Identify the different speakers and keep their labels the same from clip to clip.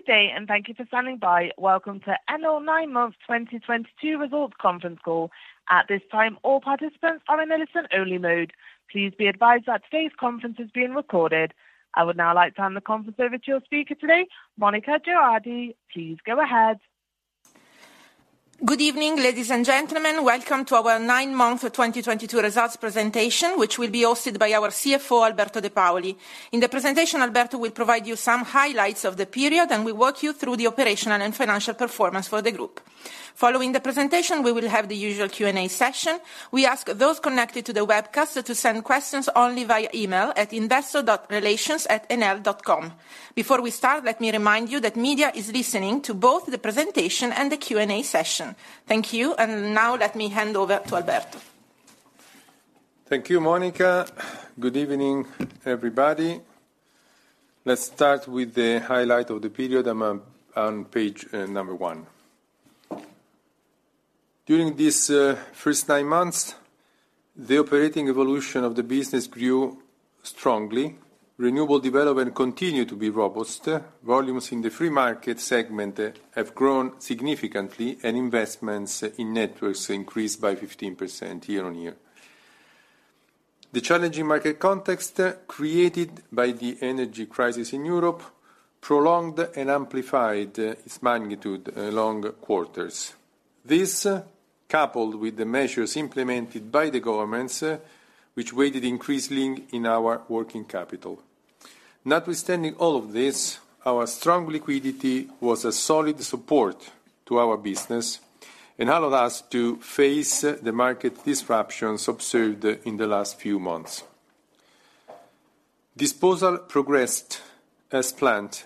Speaker 1: Good day, and thank you for standing by. Welcome to Enel 9 months 2022 results conference call. At this time, all participants are in listen only mode. Please be advised that today's conference is being recorded. I would now like to hand the conference over to your speaker today, Monica Girardi. Please go ahead.
Speaker 2: Good evening, ladies and gentlemen. Welcome to our 9-month 2022 results presentation, which will be hosted by our CFO, Alberto De Paoli. In the presentation, Alberto will provide you some highlights of the period, and will walk you through the operational and financial performance for the group. Following the presentation, we will have the usual Q&A session. We ask those connected to the webcast to send questions only via email at investor.relations@enel.com. Before we start, let me remind you that media is listening to both the presentation and the Q&A session. Thank you, and now let me hand over to Alberto.
Speaker 3: Thank you, Monica. Good evening, everybody. Let's start with the highlight of the period. I'm on page number one. During this first nine months, the operating evolution of the business grew strongly. Renewable development continued to be robust. Volumes in the free market segment have grown significantly, and investments in networks increased by 15% year-on-year. The challenging market context created by the energy crisis in Europe prolonged and amplified its magnitude along quarters. This, coupled with the measures implemented by the governments, which weighed increasingly in our working capital. Notwithstanding all of this, our strong liquidity was a solid support to our business and allowed us to face the market disruptions observed in the last few months. Disposal progressed as planned,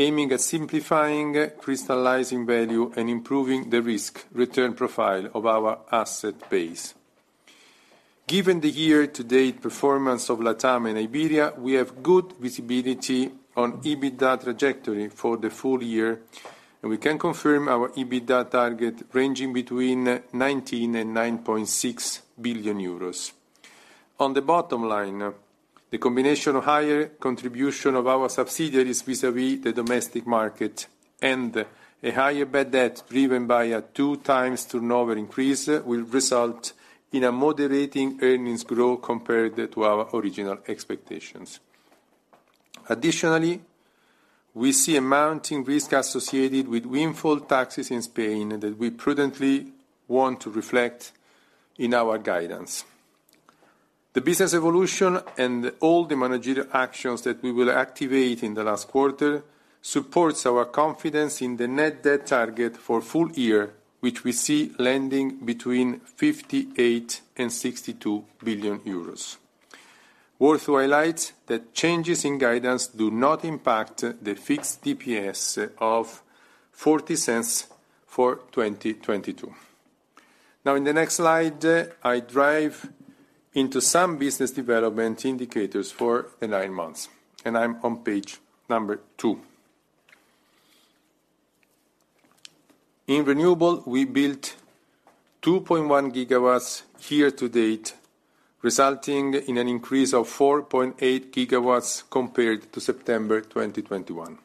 Speaker 3: aiming at simplifying, crystallizing value, and improving the risk-return profile of our asset base. Given the year-to-date performance of LATAM and Iberia, we have good visibility on EBITDA trajectory for the full year, and we can confirm our EBITDA target ranging between 19 and 19.6 billion euros. On the bottom line, the combination of higher contribution of our subsidiaries vis-à-vis the domestic market and a higher bad debt driven by a 2x turnover increase will result in a moderating earnings growth compared to our original expectations. Additionally, we see a mounting risk associated with windfall taxes in Spain that we prudently want to reflect in our guidance. The business evolution and all the managerial actions that we will activate in the last quarter supports our confidence in the net debt target for full year, which we see landing between 58 billion and 62 billion euros. Worth highlighting that changes in guidance do not impact the fixed DPS of 0.40 for 2022. Now, in the next slide, I dive into some business development indicators for the nine months, and I'm on page number 2. In renewable, we built 2.1 GW year to date, resulting in an increase of 4.8 GW compared to September 2021.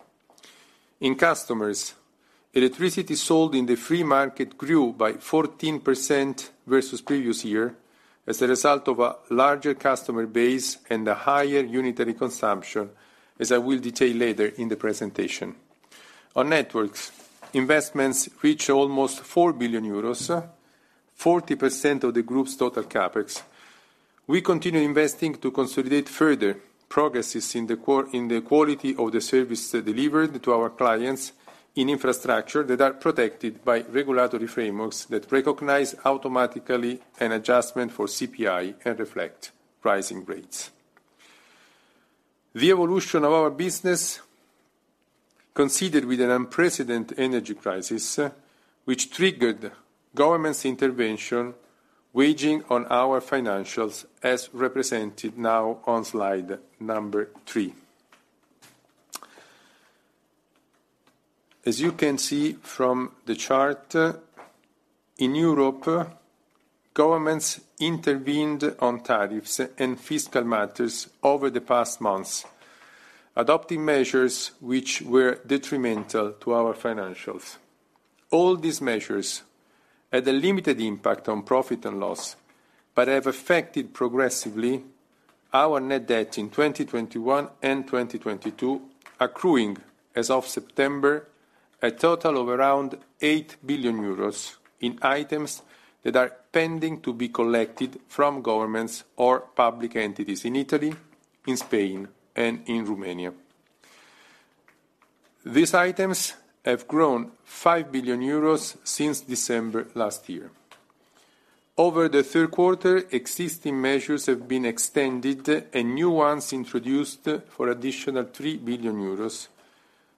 Speaker 3: In customers, electricity sold in the free market grew by 14% versus previous year as a result of a larger customer base and a higher unitary consumption, as I will detail later in the presentation. On networks, investments reach almost 4 billion euros, 40% of the group's total CapEx. We continue investing to consolidate further progresses in the quality of the services delivered to our clients in infrastructure that are protected by regulatory frameworks that recognize automatically an adjustment for CPI and reflect pricing rates. The evolution of our business coincided with an unprecedented energy crisis, which triggered government's intervention, weighing on our financials as represented now on Slide 3. As you can see from the chart, in Europe, governments intervened on tariffs and fiscal matters over the past months, adopting measures which were detrimental to our financials. All these measures had a limited impact on profit and loss, but have affected progressively our net debt in 2021 and 2022, accruing, as of September, a total of around 8 billion euros in items that are pending to be collected from governments or public entities in Italy, in Spain, and in Romania. These items have grown 5 billion euros since December last year. Over the Q3, existing measures have been extended and new ones introduced for additional 3 billion euros,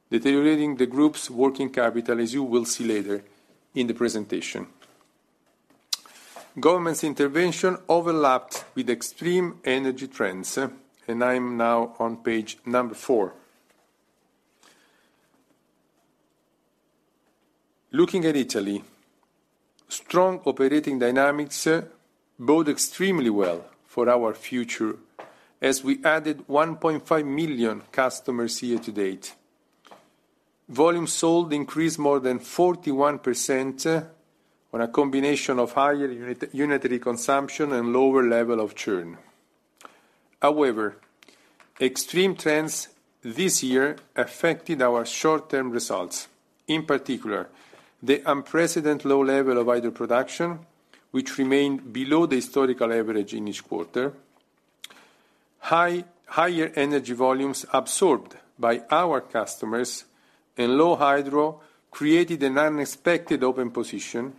Speaker 3: deteriorating the group's working capital, as you will see later in the presentation. Government's intervention overlapped with extreme energy trends, and I am now on page number 4. Looking at Italy, strong operating dynamics bode extremely well for our future as we added 1.5 million customers year to date. Volumes sold increased more than 41% on a combination of higher unit, unitary consumption and lower level of churn. However, extreme trends this year affected our short-term results. In particular, the unprecedented low level of hydro production, which remained below the historical average in each quarter. Higher energy volumes absorbed by our customers and low hydro created an unexpected open position,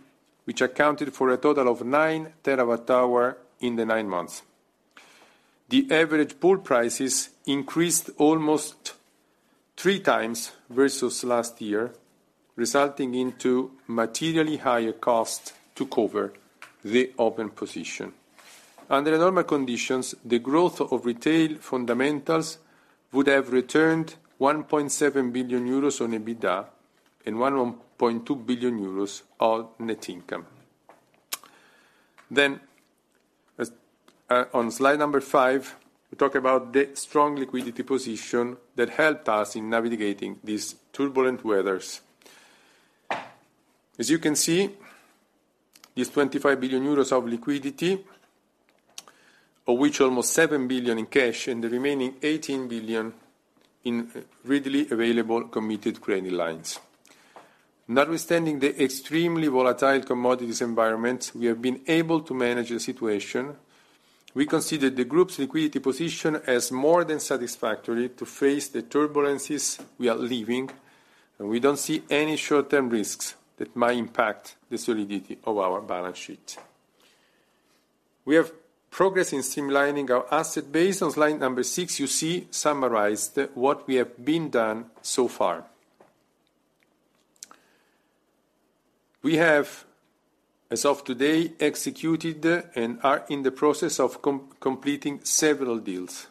Speaker 3: which accounted for a total of 9 TWh in the 9 months. The average pool prices increased almost three times versus last year, resulting in materially higher costs to cover the open position. Under normal conditions, the growth of retail fundamentals would have returned 1.7 billion euros on EBITDA and 1.2 billion euros on net income. As on Slide 5, we talk about the strong liquidity position that helped us in navigating these turbulent weather. As you can see, this 25 billion euros of liquidity, of which almost 7 billion in cash and the remaining 18 billion in readily available committed credit lines. Notwithstanding the extremely volatile commodities environment, we have been able to manage the situation. We consider the group's liquidity position as more than satisfactory to face the turbulences we are living, and we don't see any short-term risks that might impact the solidity of our balance sheet. We have progress in streamlining our asset base. On Slide 6, you see summarized what we have done so far. We have, as of today, executed and are in the process of completing several deals.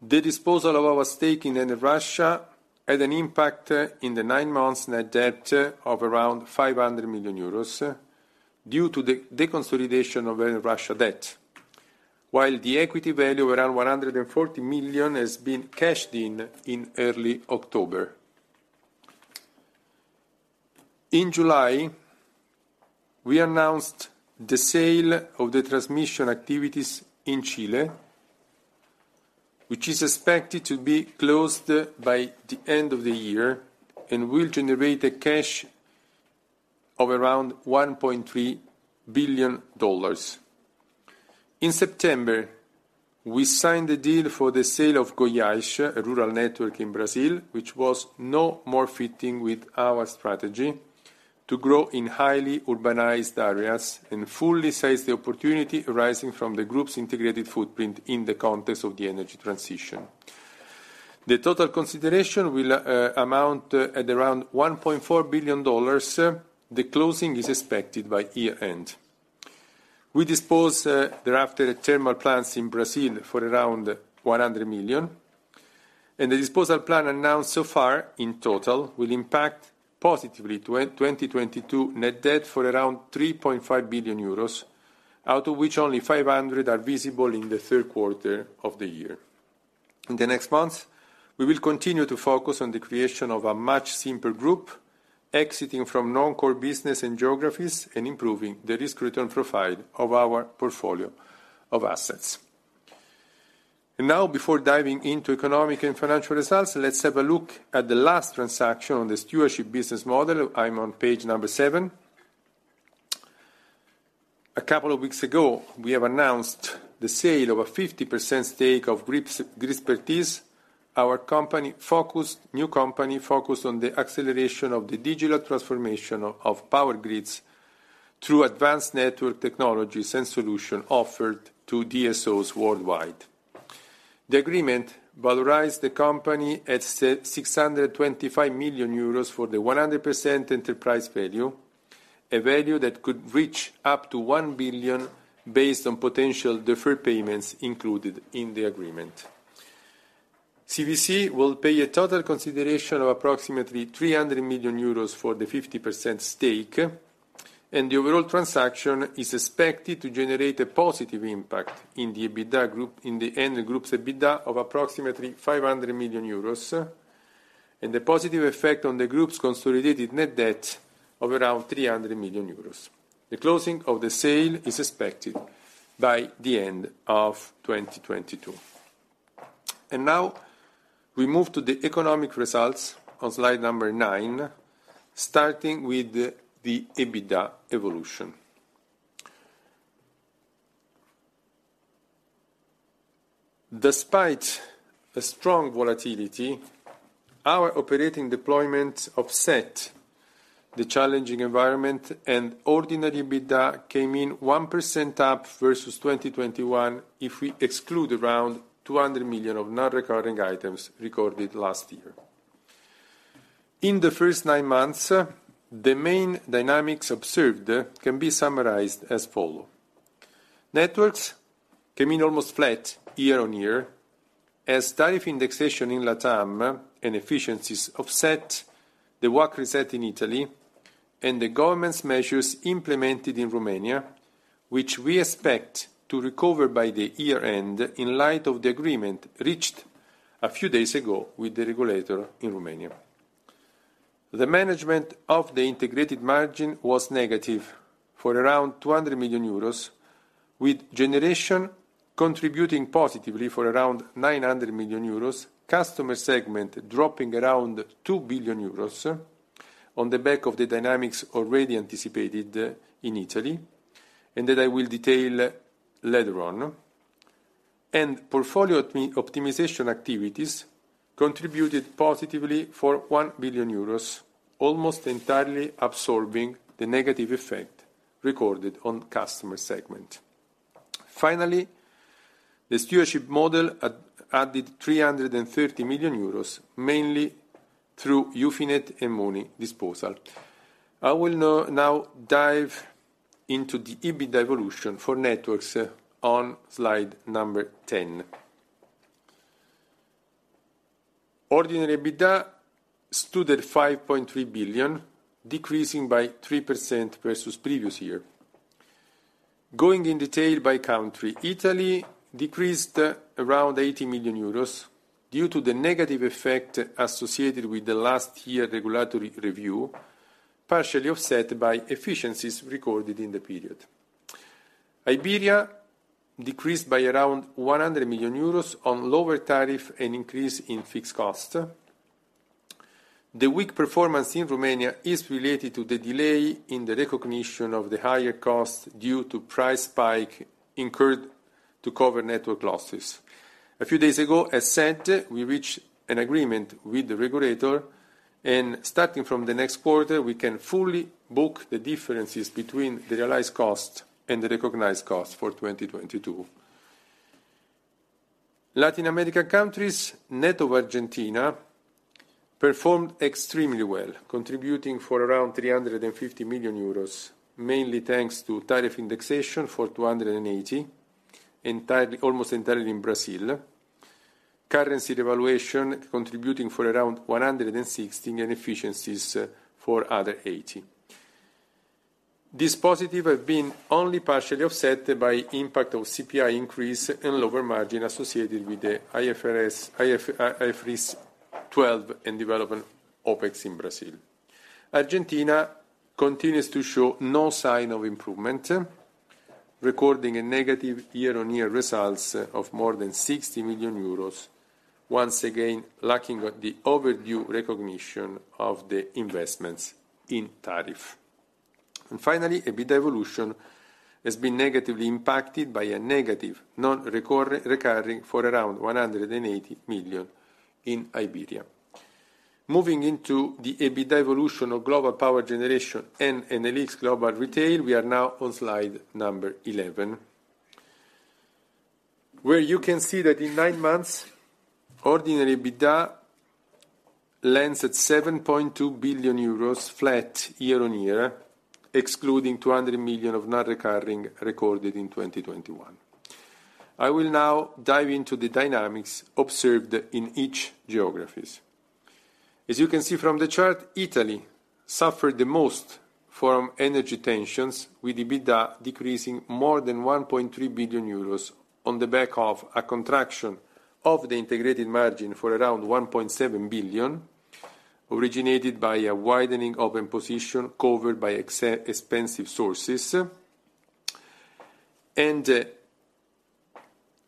Speaker 3: The disposal of our stake in Enel Russia had an impact in the nine months net debt of around 500 million euros, due to the deconsolidation of Enel Russia debt. While the equity value around 140 million has been cashed in in early October. In July, we announced the sale of the transmission activities in Chile, which is expected to be closed by the end of the year, and will generate cash of around $1.3 billion. In September, we signed the deal for the sale of Enel Distribuição Goiás, a rural network in Brazil, which was no more fitting with our strategy to grow in highly urbanized areas and fully seize the opportunity arising from the group's integrated footprint in the context of the energy transition. The total consideration will amount to around $1.4 billion. The closing is expected by year-end. We dispose thereafter thermal plants in Brazil for around $100 million, and the disposal plan announced so far in total will impact positively 2022 net debt for around 3.5 billion euros, out of which only 500 million are visible in the Q3 of the year. In the next months, we will continue to focus on the creation of a much simpler group, exiting from non-core business and geographies and improving the risk-return profile of our portfolio of assets. Now, before diving into economic and financial results, let's have a look at the last transaction on the stewardship business model. I'm on page 7. A couple of weeks ago, we have announced the sale of a 50% stake of Gridspertise, our new company focused on the acceleration of the digital transformation of power grids through advanced network technologies and solution offered to DSOs worldwide. The agreement valorized the company at 625 million euros for the 100% enterprise value, a value that could reach up to 1 billion based on potential deferred payments included in the agreement. CVC will pay a total consideration of approximately 300 million euros for the 50% stake, and the overall transaction is expected to generate a positive impact in the EBITDA group in the end, the group's EBITDA of approximately 500 million euros, and the positive effect on the group's consolidated net debt of around 300 million euros. The closing of the sale is expected by the end of 2022. Now we move to the economic results on Slide 9, starting with the EBITDA evolution. Despite the strong volatility, our operating deployment offset the challenging environment and ordinary EBITDA came in 1% up versus 2021 if we exclude around 200 million of non-recurring items recorded last year. In the first nine months, the main dynamics observed can be summarized as follows. Networks came in almost flat year-on-year as tariff indexation in Latam and efficiencies offset the WACC reset in Italy and the government's measures implemented in Romania, which we expect to recover by the year-end in light of the agreement reached a few days ago with the regulator in Romania. The management of the integrated margin was negative for around 200 million euros, with generation contributing positively for around 900 million euros, customer segment dropping around 2 billion euros on the back of the dynamics already anticipated in Italy, and that I will detail later on. Portfolio optimization activities contributed positively for 1 billion euros, almost entirely absorbing the negative effect recorded on customer segment. Finally, the stewardship model added 330 million euros, mainly through Ufinet and Mooney disposal. I will now dive into the EBIT evolution for networks on Slide 10. Ordinary EBITDA stood at 5.3 billion, decreasing by 3% versus previous year. Going in detail by country, Italy decreased around 80 million euros due to the negative effect associated with the last year regulatory review, partially offset by efficiencies recorded in the period. Iberia decreased by around 100 million euros on lower tariff and increase in fixed cost. The weak performance in Romania is related to the delay in the recognition of the higher cost due to price spike incurred to cover network losses. A few days ago, as said, we reached an agreement with the regulator, and starting from the next quarter, we can fully book the differences between the realized cost and the recognized cost for 2022. Latin American countries, net of Argentina, performed extremely well, contributing for around 350 million euros, mainly thanks to tariff indexation for 280 million, almost entirely in Brazil. Currency devaluation contributing for around 160 million, and efficiencies for other 80 million. This positive have been only partially offset by impact of CPI increase and lower margin associated with the IFRIC 12-regulated OpEx in Brazil. Argentina continues to show no sign of improvement, recording a negative year-on-year results of more than 60 million euros, once again, lacking the overdue recognition of the investments in tariff. Finally, EBITDA evolution has been negatively impacted by a negative non-recurring for around 180 million in Iberia. Moving into the EBITDA evolution of Global Power Generation and Enel X Global Retail, we are now on Slide 11, where you can see that in nine months, ordinary EBITDA lands at 7.2 billion euros, flat year-on-year, excluding 200 million of non-recurring recorded in 2021. I will now dive into the dynamics observed in each geographies. As you can see from the chart, Italy suffered the most from energy tensions, with EBITDA decreasing more than 1.3 billion euros on the back of a contraction of the integrated margin for around 1.7 billion, originated by a widening open position covered by expensive sources.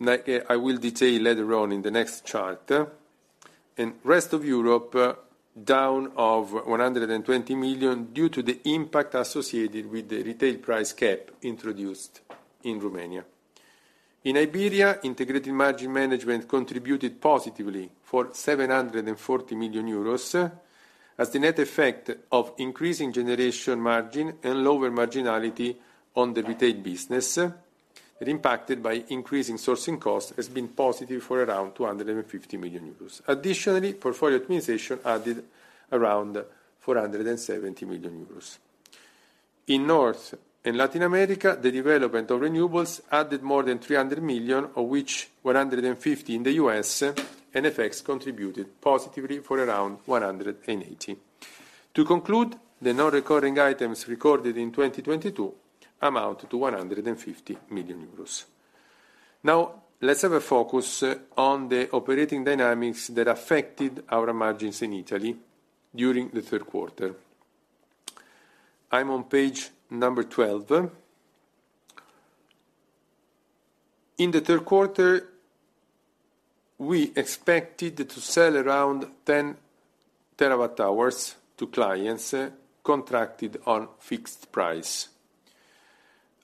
Speaker 3: Like I will detail later on in the next chart. In rest of Europe, down of 120 million due to the impact associated with the retail price cap introduced in Romania. In Iberia, integrated margin management contributed positively for 740 million euros, as the net effect of increasing generation margin and lower marginality on the retail business, impacted by increasing sourcing costs, has been positive for around 250 million euros. Additionally, portfolio administration added around 470 million euros. In North and Latin America, the development of renewables added more than 300 million, of which 150 in the U.S., and FX contributed positively for around 180. To conclude, the non-recurring items recorded in 2022 amount to 150 million euros. Now, let's have a focus on the operating dynamics that affected our margins in Italy during the Q3. I'm on page 12. In the Q3, we expected to sell around 10 terawatt-hours to clients contracted on fixed price.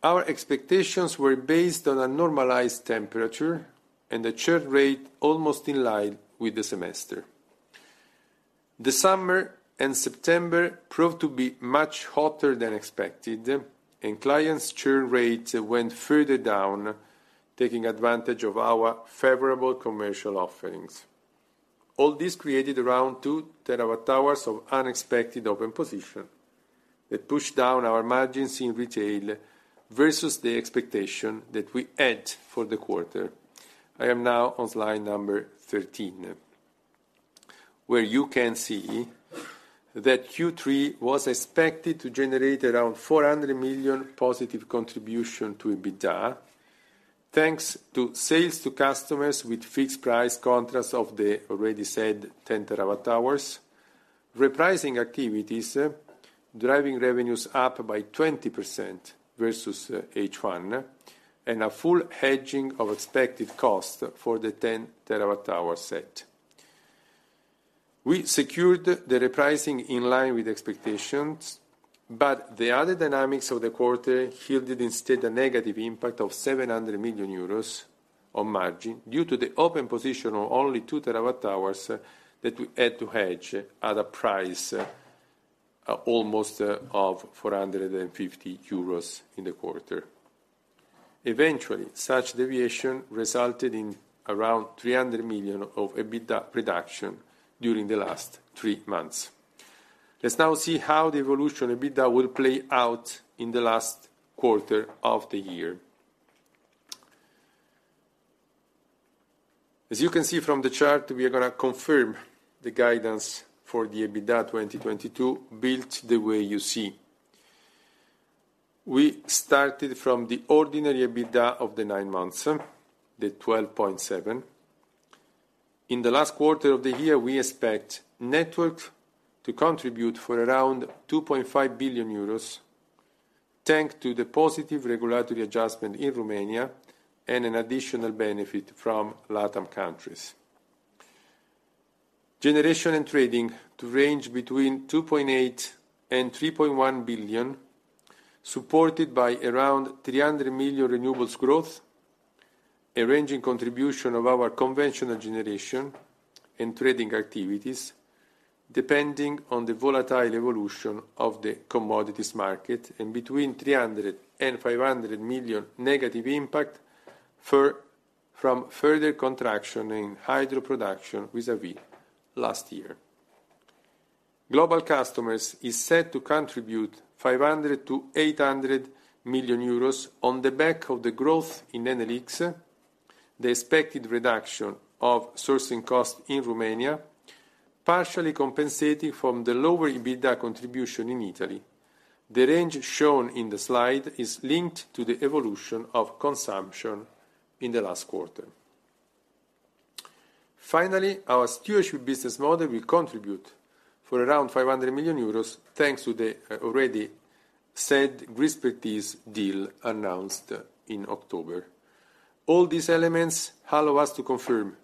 Speaker 3: Our expectations were based on a normalized temperature and a churn rate almost in line with the semester. The summer and September proved to be much hotter than expected, and clients' churn rate went further down, taking advantage of our favorable commercial offerings. All this created around 2 TWh of unexpected open position that pushed down our margins in retail versus the expectation that we had for the quarter. I am now on Slide 13, where you can see that Q3 was expected to generate around 400 million positive contribution to EBITDA, thanks to sales to customers with fixed price contracts of the already said 10 TWh, repricing activities driving revenues up by 20% versus H1, and a full hedging of expected costs for the 10 TWh set. We secured the repricing in line with expectations, but the other dynamics of the quarter yielded instead a negative impact of 700 million euros on margin due to the open position on only 2 TWh that we had to hedge at a price almost of 450 euros in the quarter. Eventually, such deviation resulted in around 300 million of EBITDA reduction during the last three months. Let's now see how the evolution EBITDA will play out in the last quarter of the year. As you can see from the chart, we are gonna confirm the guidance for the EBITDA 2022 built the way you see. We started from the ordinary EBITDA of the nine months, the 12.7. In the last quarter of the year, we expect network to contribute for around 2.5 billion euros, thanks to the positive regulatory adjustment in Romania and an additional benefit from LatAm countries. Generation and trading to range between 2.8 billion and 3.1 billion, supported by around 300 million renewables growth, a ranging contribution of our conventional generation and trading activities, depending on the volatile evolution of the commodities market, and 300 million-500 million negative impact from further contraction in hydro production vis-a-vis last year. Global customers is set to contribute 500 million-800 million euros on the back of the growth in Enel X, the expected reduction of sourcing costs in Romania, partially compensating for the lower EBITDA contribution in Italy. The range shown in the slide is linked to the evolution of consumption in the last quarter. Finally, our stewardship business model will contribute for around 500 million euros, thanks to the already said Gridspertise deal announced in October. All these elements allow us to confirm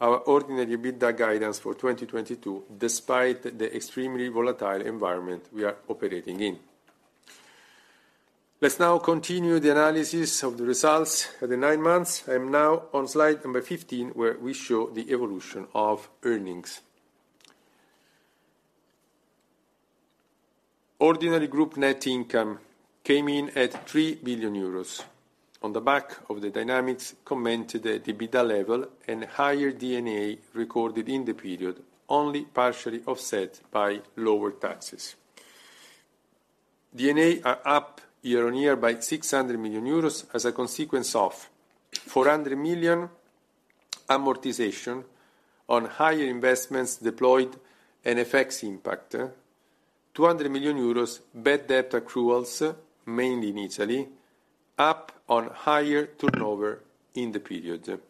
Speaker 3: our ordinary EBITDA guidance for 2022, despite the extremely volatile environment we are operating in. Let's now continue the analysis of the results at the nine months. I am now on Slide 15, where we show the evolution of earnings. Ordinary group net income came in at 3 billion euros on the back of the dynamics commented at EBITDA level and higher D&A recorded in the period, only partially offset by lower taxes. D&A are up year-on-year by 600 million euros as a consequence of 400 million amortization on higher investments deployed and FX impact, 200 million euros bad debt accruals, mainly in Italy, up on higher turnover in the period.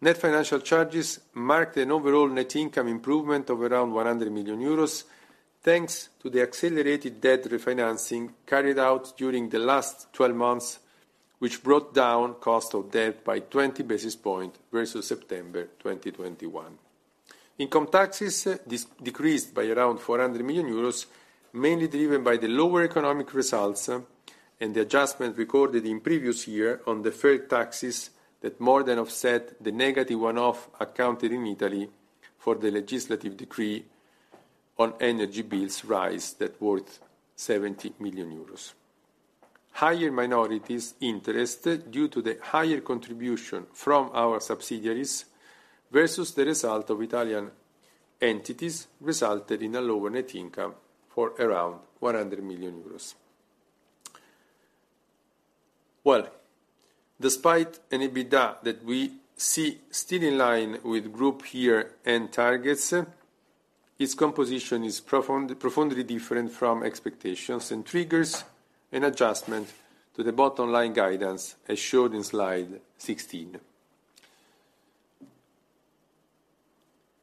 Speaker 3: Net financial charges marked an overall net income improvement of around 100 million euros, thanks to the accelerated debt refinancing carried out during the last twelve months, which brought down cost of debt by 20 basis points versus September 2021. Income taxes decreased by around 400 million euros, mainly driven by the lower economic results and the adjustment recorded in previous year on deferred taxes that more than offset the negative one-off accounted in Italy for the legislative decree on energy bills rise that was worth 70 million euros. Higher minority interests due to the higher contribution from our subsidiaries versus the result of Italian entities resulted in a lower net income for around 100 million euros. Well, despite an EBITDA that we see still in line with group year-end targets, its composition is profoundly different from expectations and triggers an adjustment to the bottom line guidance, as shown in Slide 16.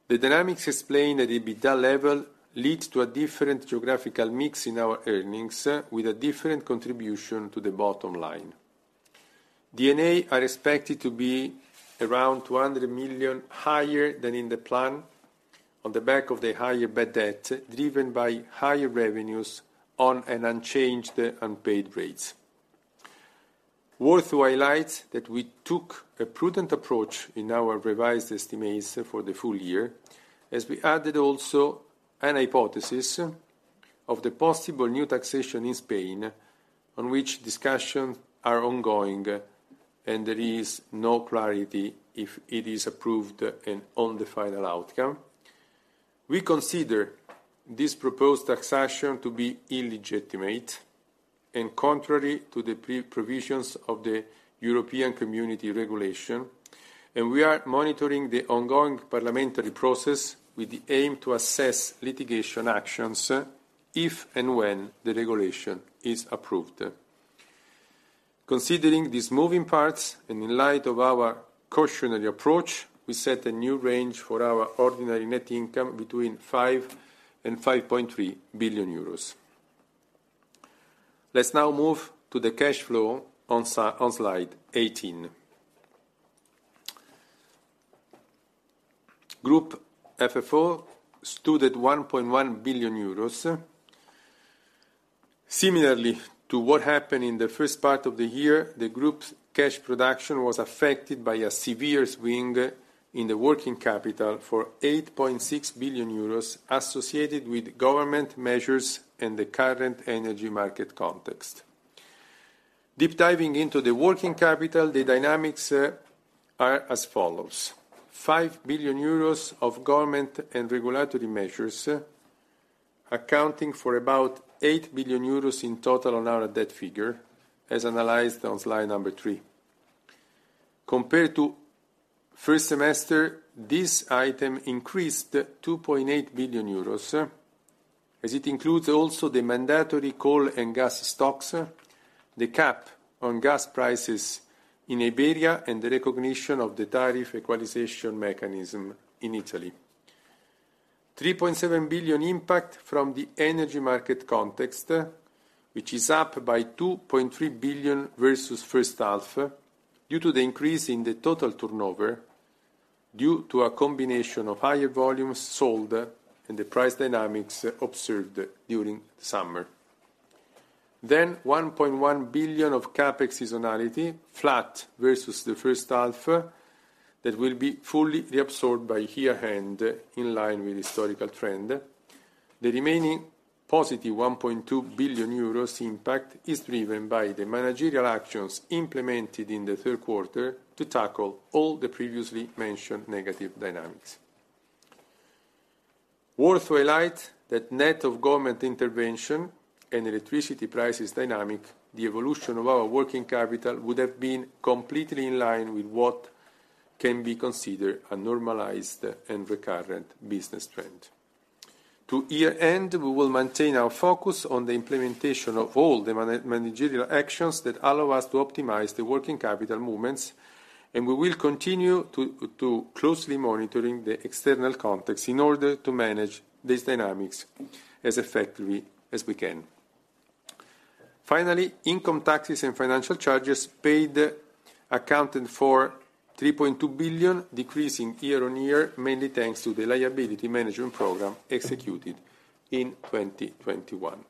Speaker 3: The dynamics explained at EBITDA level lead to a different geographical mix in our earnings with a different contribution to the bottom line. D&A are expected to be around 200 million higher than in the plan on the back of the higher bad debt, driven by higher revenues on an unchanged unpaid rates. Worth to highlight that we took a prudent approach in our revised estimates for the full year, as we added also an hypothesis of the possible new taxation in Spain, on which discussions are ongoing, and there is no clarity if it is approved and on the final outcome. We consider this proposed taxation to be illegitimate and contrary to the provisions of the European Community regulation, and we are monitoring the ongoing parliamentary process with the aim to assess litigation actions, if and when the regulation is approved. Considering these moving parts, and in light of our cautionary approach, we set a new range for our ordinary net income between 5 billion and 5.3 billion euros. Let's now move to the cash flow on Slide 18. Group FFO stood at 1.1 billion euros. Similarly to what happened in the first part of the year, the group's cash production was affected by a severe swing in the working capital for 8.6 billion euros associated with government measures in the current energy market context. Deep diving into the working capital, the dynamics are as follows. 5 billion euros of government and regulatory measures, accounting for about 8 billion euros in total on our debt figure, as analyzed on Slide 3. Compared to first semester, this item increased 2.8 billion euros, as it includes also the mandatory coal and gas stocks, the cap on gas prices in Iberia, and the recognition of the tariff equalization mechanism in Italy. 3.7 billion impact from the energy market context, which is up by 2.3 billion versus first half, due to the increase in the total turnover, due to a combination of higher volumes sold and the price dynamics observed during the summer. 1.1 billion of CapEx seasonality, flat versus the first half, that will be fully reabsorbed by year-end, in line with historical trend. The remaining positive 1.2 billion euros impact is driven by the managerial actions implemented in the Q3 to tackle all the previously mentioned negative dynamics. Worth highlighting that net of government intervention and electricity prices dynamic, the evolution of our working capital would have been completely in line with what can be considered a normalized and recurrent business trend. To year-end, we will maintain our focus on the implementation of all the managerial actions that allow us to optimize the working capital movements, and we will continue to closely monitor the external context in order to manage these dynamics as effectively as we can. Finally, income taxes and financial charges paid accounted for 3.2 billion, decreasing year-on-year, mainly thanks to the liability management program executed in 2021.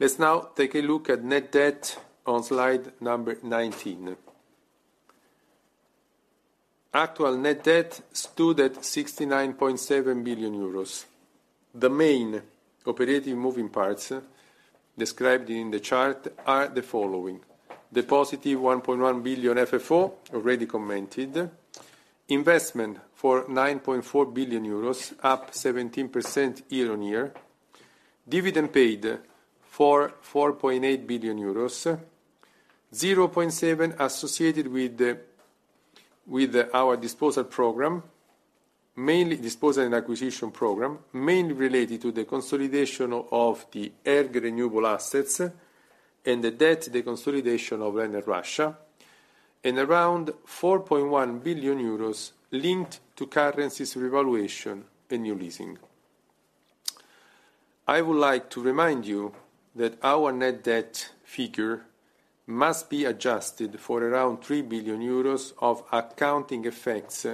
Speaker 3: Let's now take a look at net debt on Slide 19. Actual net debt stood at 69.7 billion euros. The main operating moving parts described in the chart are the following. The positive 1.1 billion FFO, already commented, investment for 9.4 billion euros, up 17% year-over-year, dividend paid for 4.8 billion euros, 0.7 billion associated with our disposal program, mainly disposal and acquisition program, mainly related to the consolidation of our renewable assets and the debt deconsolidation of Enel Russia, and around 4.1 billion euros linked to currency revaluation and new leasing. I would like to remind you that our net debt figure must be adjusted for around 3 billion euros of accounting effects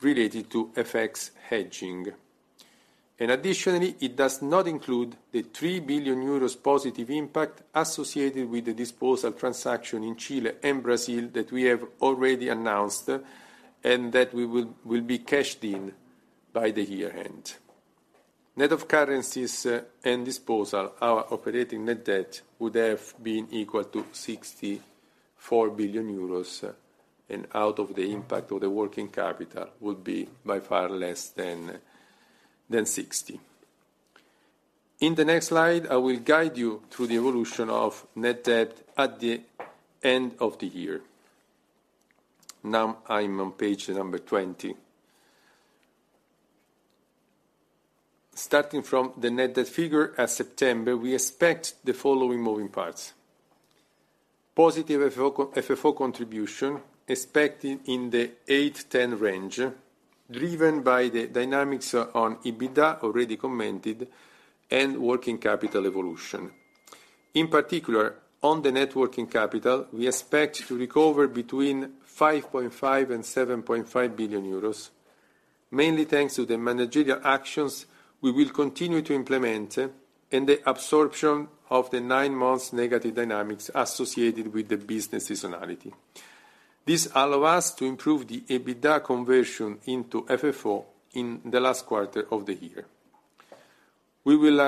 Speaker 3: related to FX hedging. Additionally, it does not include the 3 billion euros positive impact associated with the disposal transaction in Chile and Brazil that we have already announced and that we will be cashed in by the year-end. Net of currencies and disposal, our operating net debt would have been equal to 64 billion euros, and out of the impact of the working capital would be by far less than sixty. In the next slide, I will guide you through the evolution of net debt at the end of the year. Now I'm on page number 20. Starting from the net debt figure at September, we expect the following moving parts. Positive FFO contribution expected in the 8-10 range, driven by the dynamics on EBITDA, already commented, and working capital evolution. In particular, on the net working capital, we expect to recover between 5.5 billion and 7.5 billion euros, mainly thanks to the managerial actions we will continue to implement, and the absorption of the 9 months negative dynamics associated with the business seasonality. This allows us to improve the EBITDA conversion into FFO in the last quarter of the year. We will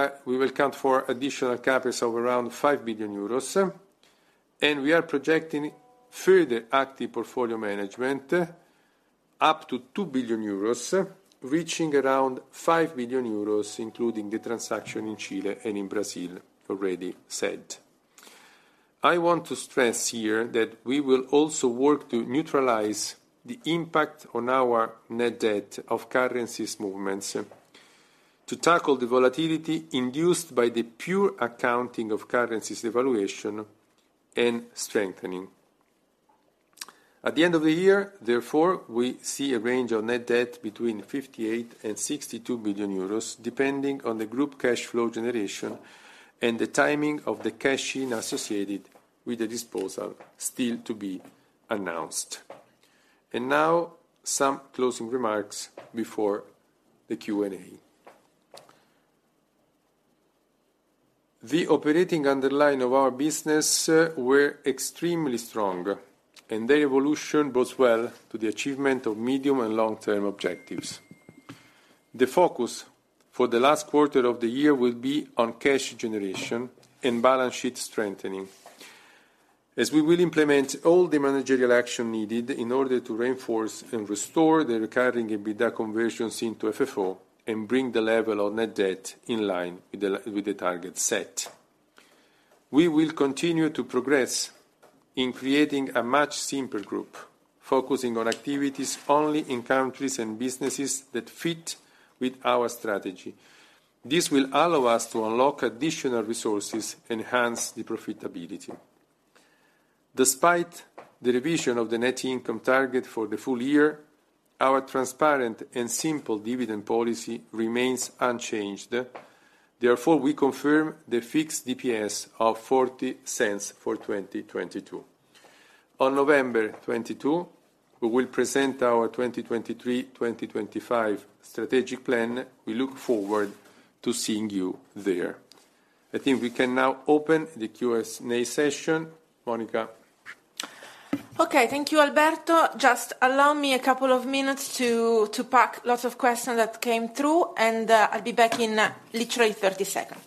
Speaker 3: account for additional CapEx of around 5 billion euros, and we are projecting further active portfolio management up to 2 billion euros, reaching around 5 billion euros, including the transaction in Chile and in Brazil already said. I want to stress here that we will also work to neutralize the impact on our net debt of currencies movements, to tackle the volatility induced by the pure accounting of currencies evaluation and strengthening. At the end of the year, therefore, we see a range of net debt between 58 billion and 62 billion euros, depending on the group cash flow generation and the timing of the cash in associated with the disposal still to be announced. Now some closing remarks before the Q&A. The operating underlying of our business were extremely strong, and their evolution bodes well to the achievement of medium- and long-term objectives. The focus for the last quarter of the year will be on cash generation and balance sheet strengthening, as we will implement all the managerial action needed in order to reinforce and restore the recurring EBITDA conversions into FFO and bring the level of net debt in line with the target set. We will continue to progress in creating a much simpler group, focusing on activities only in countries and businesses that fit with our strategy. This will allow us to unlock additional resources, enhance the profitability. Despite the revision of the net income target for the full year, our transparent and simple dividend policy remains unchanged. Therefore, we confirm the fixed DPS of 0.40 for 2022. On November 22, we will present our 2023/2025 strategic plan. We look forward to seeing you there. I think we can now open the Q&A session. Monica?
Speaker 2: Okay. Thank you, Alberto. Just allow me a couple of minutes to park lots of questions that came through, and I'll be back in literally 30 seconds.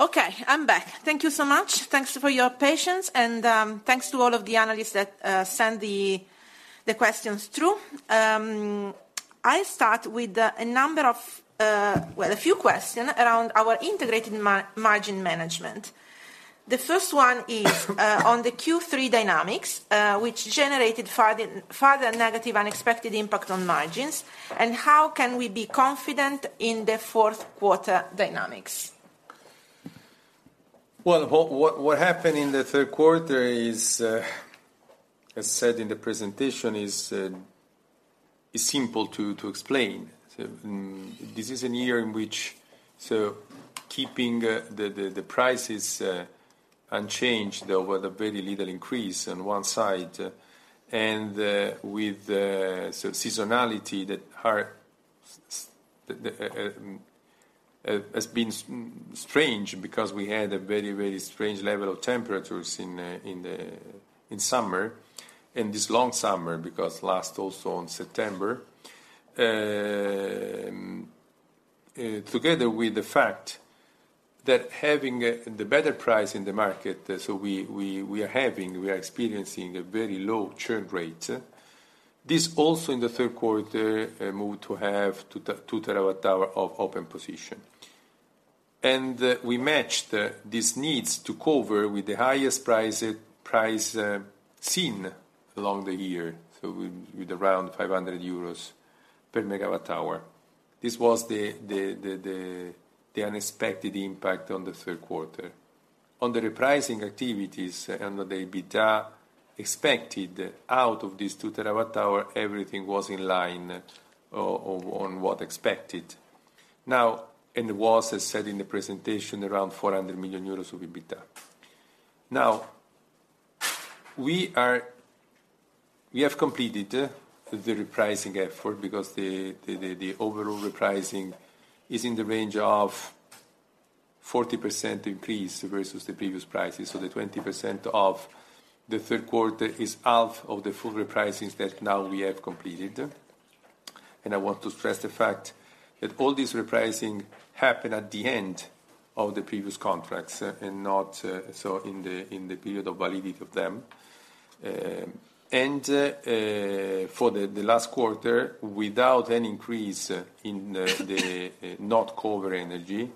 Speaker 2: Okay, I'm back. Thank you so much. Thanks for your patience and thanks to all of the analysts that send the questions through. I start with a number of, well, a few questions around our integrated margin management. The first one is on the Q3 dynamics, which generated further negative unexpected impact on margins, and how can we be confident in the Q4 dynamics?
Speaker 3: Well, what happened in the Q3 is, as said in the presentation, simple to explain. This is a year in which, keeping the prices unchanged, there was very little increase on one side, and with the seasonality that has been strange because we had a very strange level of temperatures in the summer, in this long summer, because lasted also on September. Together with the fact that having the better price in the market, we are experiencing a very low churn rate. This also in the Q3 moved to have 2 TWh of open position. We matched these needs to cover with the highest price seen along the year, so with around 500 euros/MWh. This was the unexpected impact on the Q3. On the repricing activities and the EBITDA expected out of these 2 TWh, everything was in line with what was expected. Now, as said in the presentation, around 400 million euros will be EBITDA. Now, we have completed the overall repricing effort because the overall repricing is in the range of 40% increase versus the previous prices. The 20% of the Q3 is half of the full repricings that now we have completed. I want to stress the fact that all these repricing happened at the end of the previous contracts and not in the period of validity of them. For the last quarter, without any increase in the non-covered energy,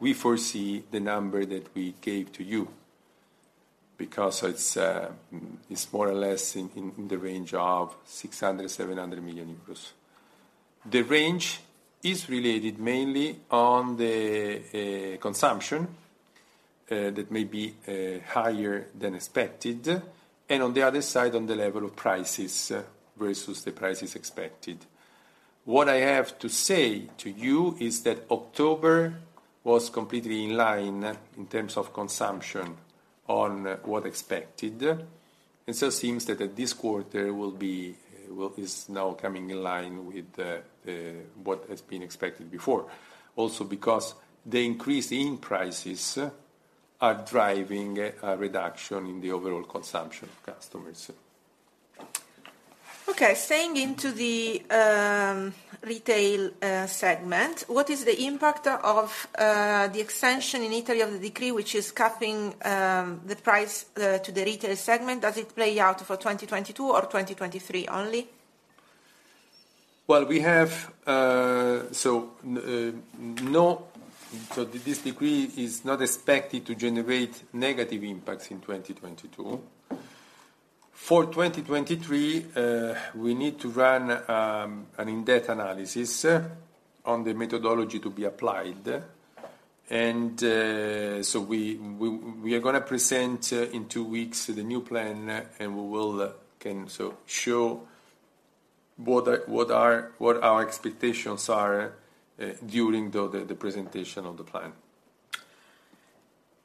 Speaker 3: we foresee the number that we gave to you because it's more or less in the range of 600 million-700 million euros. The range is related mainly to the consumption that may be higher than expected, and on the other side, to the level of prices versus the prices expected. What I have to say to you is that October was completely in line in terms of consumption with what expected. Seems that this quarter will be, well, is now coming in line with what has been expected before. Also, because the increase in prices are driving a reduction in the overall consumption of customers.
Speaker 2: Okay. Staying in the retail segment, what is the impact of the extension in Italy of the decree which is capping the price to the retail segment? Does it play out for 2022 or 2023 only?
Speaker 3: This decree is not expected to generate negative impacts in 2022. For 2023, we need to run an in-depth analysis on the methodology to be applied. We are gonna present in two weeks the new plan, and we can show what our expectations are during the presentation of the plan.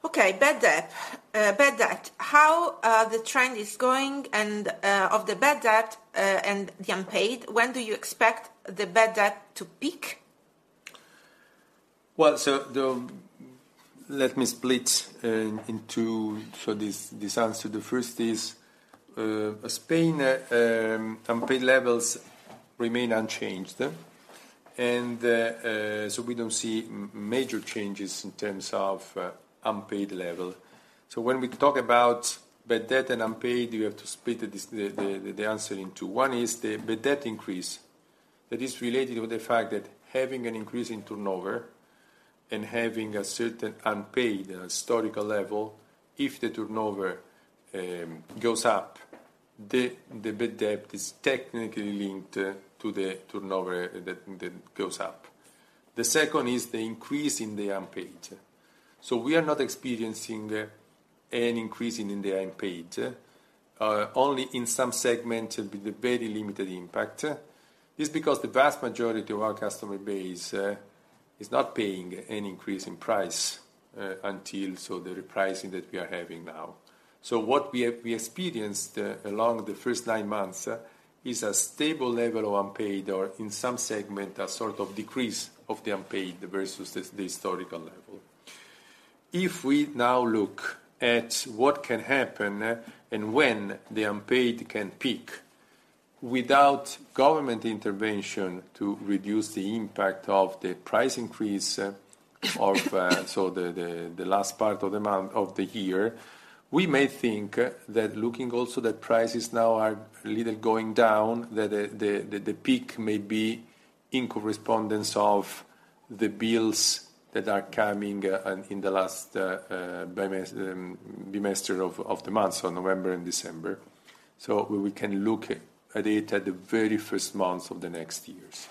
Speaker 2: Okay. Bad debt. How the trend is going and of the bad debt and the unpaid, when do you expect the bad debt to peak?
Speaker 3: Let me split into for this answer. The first is Spain, unpaid levels remain unchanged. We don't see major changes in terms of unpaid level. When we talk about bad debt and unpaid, you have to split this, the answer in two. One is the bad debt increase. That is related with the fact that having an increase in turnover and having a certain unpaid historical level, if the turnover goes up, the bad debt is technically linked to the turnover that goes up. The second is the increase in the unpaid. We are not experiencing any increase in the unpaid. Only in some segment with a very limited impact. This is because the vast majority of our customer base is not paying any increase in price until so the repricing that we are having now. What we have experienced along the first nine months is a stable level of unpaid or in some segment, a sort of decrease of the unpaid versus the historical level. If we now look at what can happen and when the unpaid can peak without government intervention to reduce the impact of the price increase of so the last part of the year, we may think that looking also that prices now are a little going down, that the peak may be in correspondence of the bills that are coming in the last bimester of the month, so November and December. We can look at it at the very first month of the next years.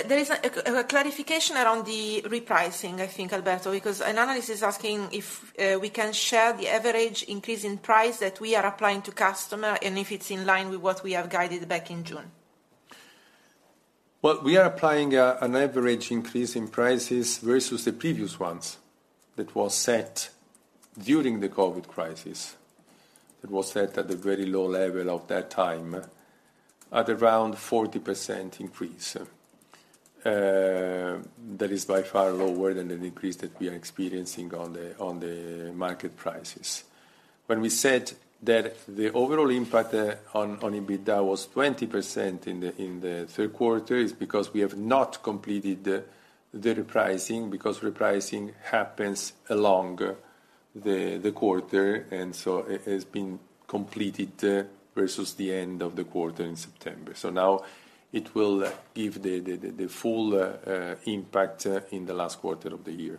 Speaker 2: There is a clarification around the repricing, I think, Alberto, because an analyst is asking if we can share the average increase in price that we are applying to customer, and if it's in line with what we have guided back in June.
Speaker 3: Well, we are applying an average increase in prices versus the previous ones that was set during the COVID crisis, that was set at the very low level of that time, at around 40% increase. That is by far lower than the increase that we are experiencing on the market prices. When we said that the overall impact on EBITDA was 20% in the Q3 is because we have not completed the repricing, because repricing happens along the quarter, and so it has been completed versus the end of the quarter in September. Now it will give the full impact in the last quarter of the year.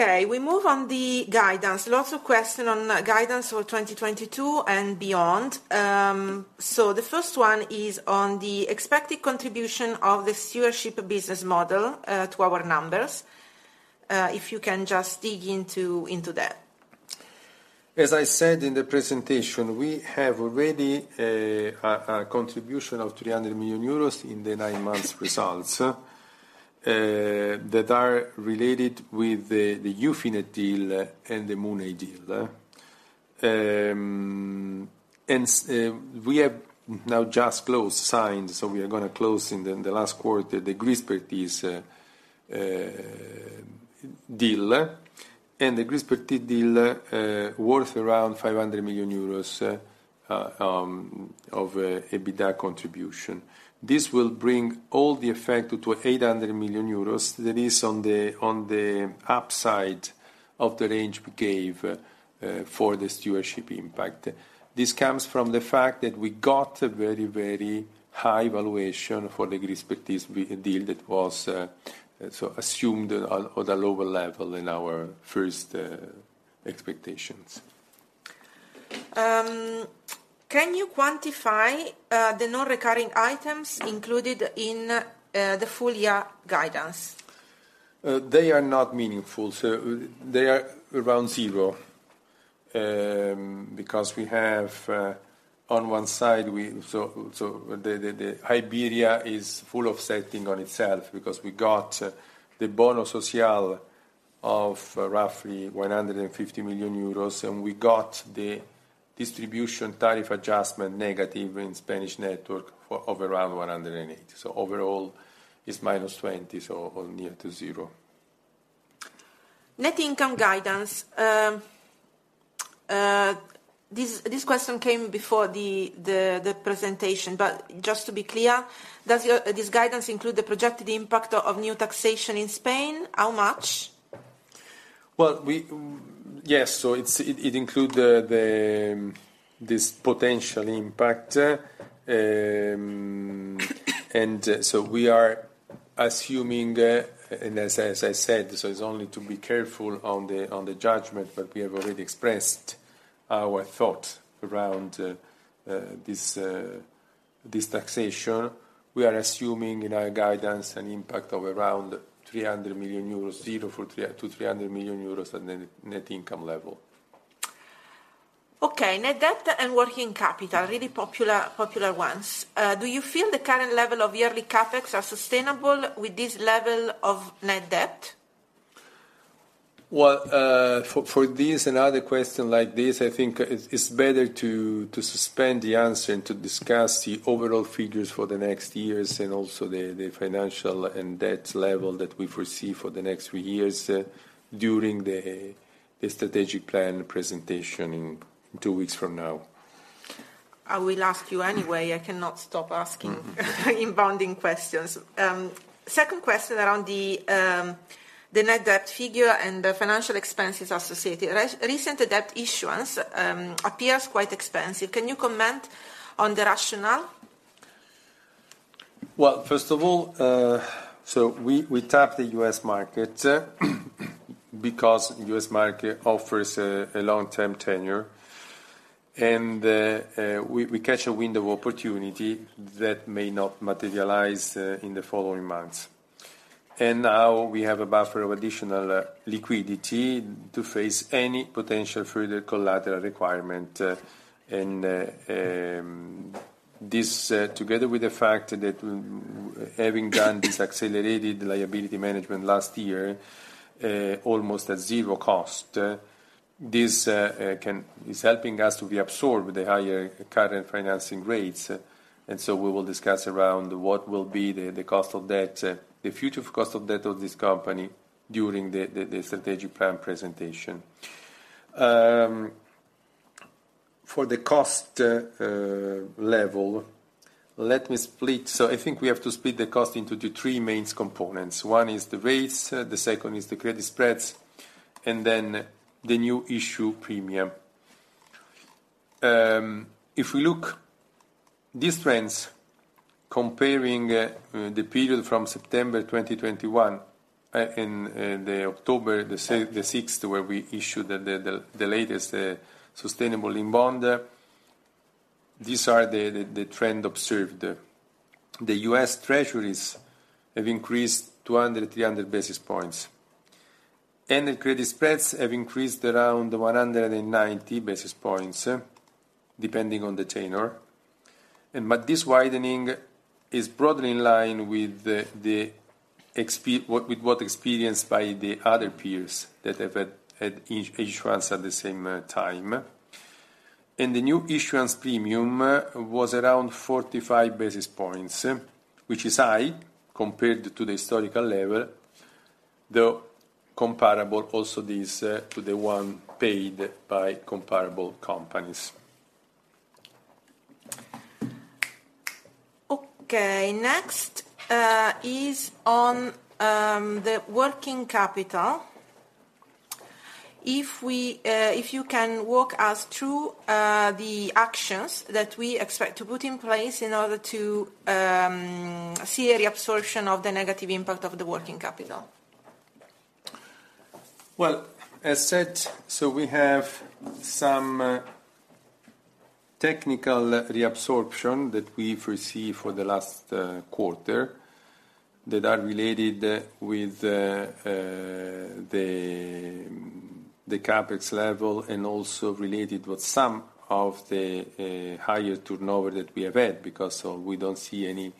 Speaker 2: Okay, we move on to the guidance. Lots of questions on guidance for 2022 and beyond. The first one is on the expected contribution of the stewardship business model to our numbers. If you can just dig into that.
Speaker 3: As I said in the presentation, we have already a contribution of 300 million euros in the nine-month results that are related with the Ufinet deal and the Mooney deal. We have now just closed, so we are gonna close in the last quarter the Gridspertise deal. The Gridspertise deal worth around EUR 500 million of EBITDA contribution. This will bring all the effect to 800 million euros that is on the upside of the range we gave for the disposals impact. This comes from the fact that we got a very high valuation for the Gridspertise deal that was so assumed on a lower level in our first expectations.
Speaker 2: Can you quantify the non-recurring items included in the full year guidance?
Speaker 3: They are not meaningful, so they are around zero. Because we have, on one side, the Iberia is offsetting itself because we got the Bono Social of roughly 150 million euros, and we got the distribution tariff adjustment negative in Spanish network for around 180 million. Overall, it's minus 20 million, so near to zero.
Speaker 2: Net income guidance. This question came before the presentation, just to be clear, does this guidance include the projected impact of new taxation in Spain? How much?
Speaker 3: Yes, it includes this potential impact. We are assuming, and as I said, it's only to be careful on the judgment, but we have already expressed our thought around this taxation. We are assuming in our guidance an impact of around 300 million euros, to 300 million euros at net income level.
Speaker 2: Okay, net debt and working capital, really popular ones. Do you feel the current level of yearly CapEx are sustainable with this level of net debt?
Speaker 3: Well, for this and other question like this, I think it's better to suspend the answer and to discuss the overall figures for the next years and also the financial and debt level that we foresee for the next three years, during the strategic plan presentation in two weeks from now.
Speaker 2: I will ask you anyway. I cannot stop asking unbounded questions. Second question around the net debt figure and the financial expenses associated. Recent debt issuance appears quite expensive. Can you comment on the rationale?
Speaker 3: Well, first of all, we tapped the U.S. market because U.S. market offers a long-term tenure, and we catch a window of opportunity that may not materialize in the following months. Now we have a buffer of additional liquidity to face any potential further collateral requirement. This, together with the fact that having done this accelerated liability management last year, almost at zero cost, this is helping us to absorb the higher current financing rates. We will discuss around what will be the cost of debt, the future cost of debt of this company during the strategic plan presentation. For the cost level, let me split. I think we have to split the cost into the three main components. One is the rates, the second is the credit spreads, and then the new issue premium. If we look these trends comparing the period from September 2021 to October 6, where we issued the latest sustainability-linked bond, these are the trends observed. The U.S. Treasuries have increased 200-300 basis points. The credit spreads have increased around 190 basis points, depending on the tenure. This widening is broadly in line with what experienced by the other peers that have had issuance at the same time. The new issuance premium was around 45 basis points, which is high compared to the historical level, though comparable also to this one paid by comparable companies.
Speaker 2: Okay. Next is on the working capital. If you can walk us through the actions that we expect to put in place in order to see a reabsorption of the negative impact of the working capital?
Speaker 3: Well, as said, we have some technical reabsorption that we foresee for the last quarter that are related with the CapEx level and also related with some of the higher turnover that we have had, because we don't see any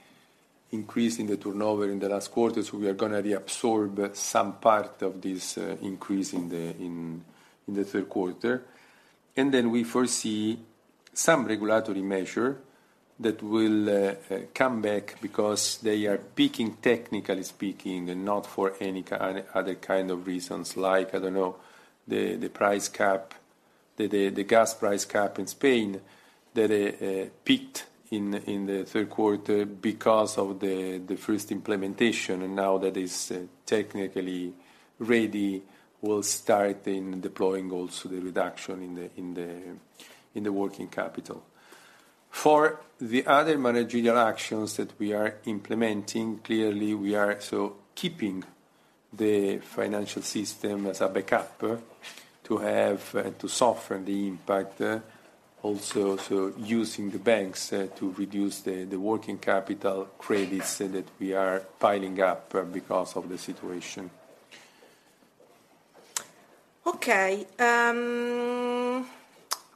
Speaker 3: increase in the turnover in the last quarters, we are gonna reabsorb some part of this increase in the Q3. Then we foresee some regulatory measure that will come back because they are peaking technically speaking and not for any other kind of reasons. Like, I don't know, the price cap, the gas price cap in Spain that peaked in the Q3 because of the first implementation, and now that is technically ready, will start in deploying also the reduction in the working capital. For the other managerial actions that we are implementing, clearly we are so keeping the financial system as a backup to have to soften the impact, also to using the banks to reduce the working capital credits that we are piling up because of the situation.
Speaker 2: Okay.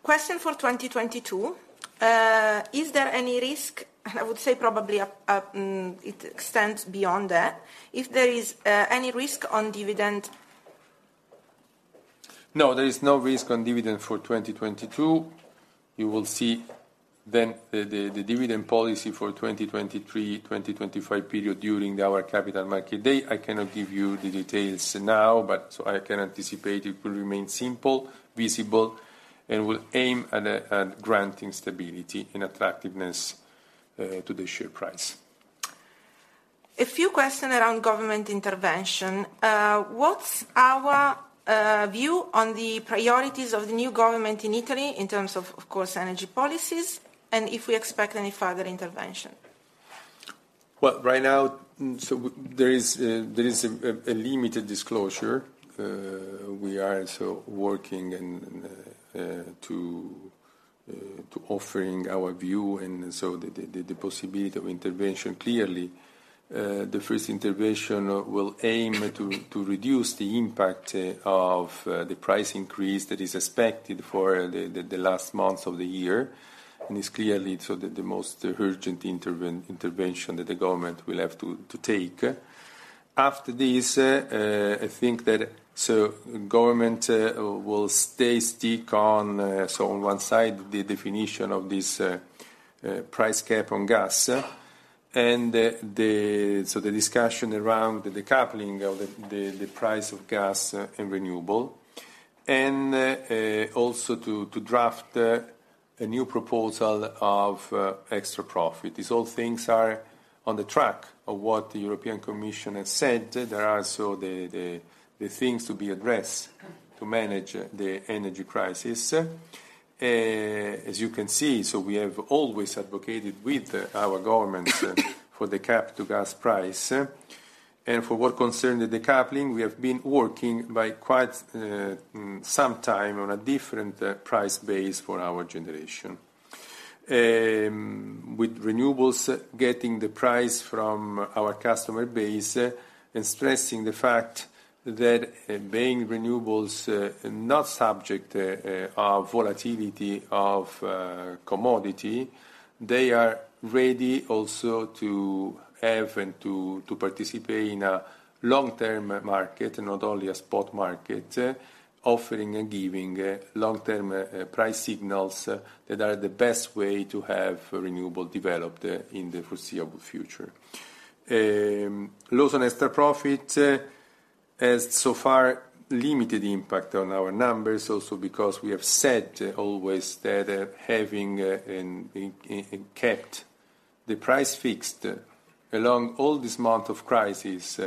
Speaker 2: Question for 2022. Is there any risk, and I would say probably it extends beyond that, if there is any risk on dividend?
Speaker 3: No, there is no risk on dividend for 2022. You will see then the dividend policy for the 2023-2025 period during our Capital Markets Day. I cannot give you the details now, but I can anticipate it will remain simple, visible, and will aim at granting stability and attractiveness to the share price.
Speaker 2: A few questions around government intervention. What's our view on the priorities of the new government in Italy in terms of course, energy policies, and if we expect any further intervention?
Speaker 3: Right now, there is a limited disclosure. We are also working to offer our view and the possibility of intervention. Clearly, the first intervention will aim to reduce the impact of the price increase that is expected for the last months of the year, and is clearly the most urgent intervention that the government will have to take. After this, I think that government will stay strict on one side, the definition of this price cap on gas. The discussion around the decoupling of the price of gas and renewable. Also to draft a new proposal of extra profit. These all things are on the track of what the European Commission has said. There are also the things to be addressed to manage the energy crisis. As you can see, we have always advocated with our government for the gas price cap. For what concerns the decoupling, we have been working for quite some time on a different price base for our generation. With renewables getting the price from our customer base and stressing the fact that being renewables, not subject of volatility of commodity, they are ready also to have and to participate in a long-term market, not only a spot market, offering and giving long-term price signals that are the best way to have renewables developed in the foreseeable future. Laws on extra profit has so far limited impact on our numbers also because we have said always that having kept the price fixed along all these months of crisis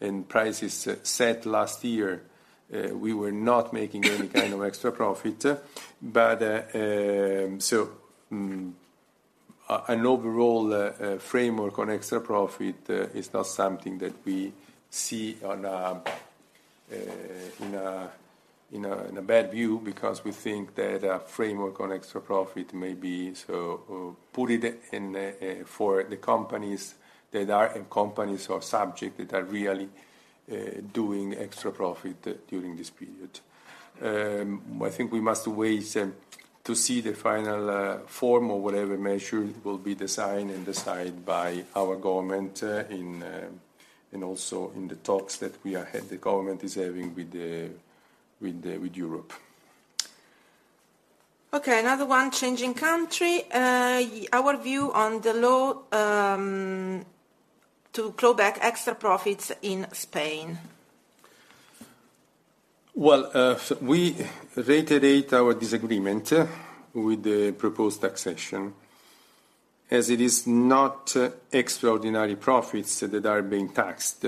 Speaker 3: and prices set last year, we were not making any kind of extra profit. An overall framework on extra profit is not something that we see in a bad view because we think that a framework on extra profit may be put in for the companies or sectors that are really doing extra profit during this period. I think we must wait to see the final form or whatever measure will be designed and decided by our government also in the talks that we are having. The government is having with the, with Europe.
Speaker 2: Okay, another one, changing country. Our view on the law to claw back extra profits in Spain.
Speaker 3: Well, we reiterate our disagreement with the proposed taxation, as it is not extraordinary profits that are being taxed,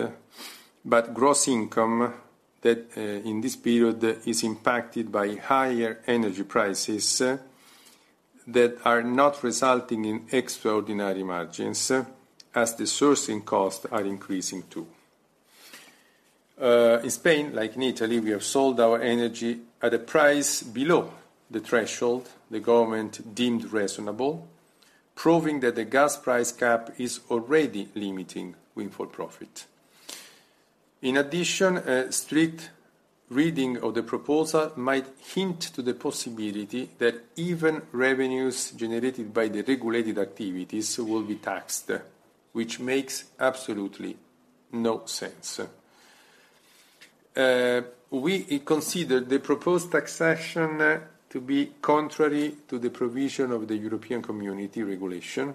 Speaker 3: but gross income that, in this period is impacted by higher energy prices that are not resulting in extraordinary margins, as the sourcing costs are increasing, too. In Spain, like in Italy, we have sold our energy at a price below the threshold the government deemed reasonable, proving that the gas price cap is already limiting windfall profit. In addition, a strict reading of the proposal might hint to the possibility that even revenues generated by the regulated activities will be taxed, which makes absolutely no sense. We consider the proposed taxation to be contrary to the provision of the European Community regulation,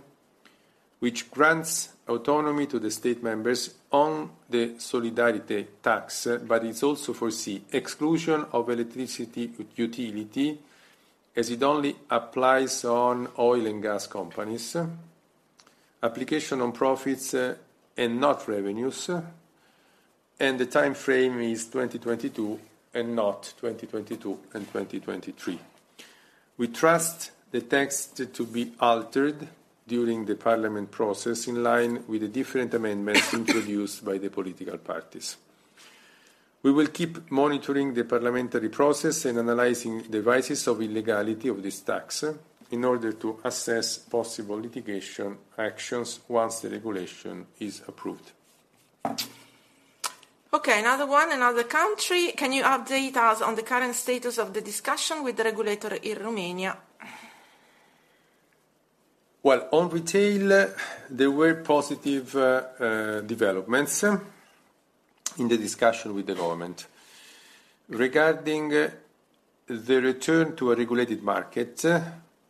Speaker 3: which grants autonomy to the member states on the solidarity contribution, but it also foresees exclusion of electricity utilities, as it only applies on oil and gas companies. Application on profits, and not revenues, and the timeframe is 2022 and not 2022 and 2023. We trust the text to be altered during the parliamentary process in line with the different amendments introduced by the political parties. We will keep monitoring the parliamentary process and analyzing the basis of illegality of this tax in order to assess possible litigation actions once the regulation is approved.
Speaker 2: Okay, another one, another country. Can you update us on the current status of the discussion with the regulator in Romania?
Speaker 3: Well, on retail, there were positive developments in the discussion with the government regarding the return to a regulated market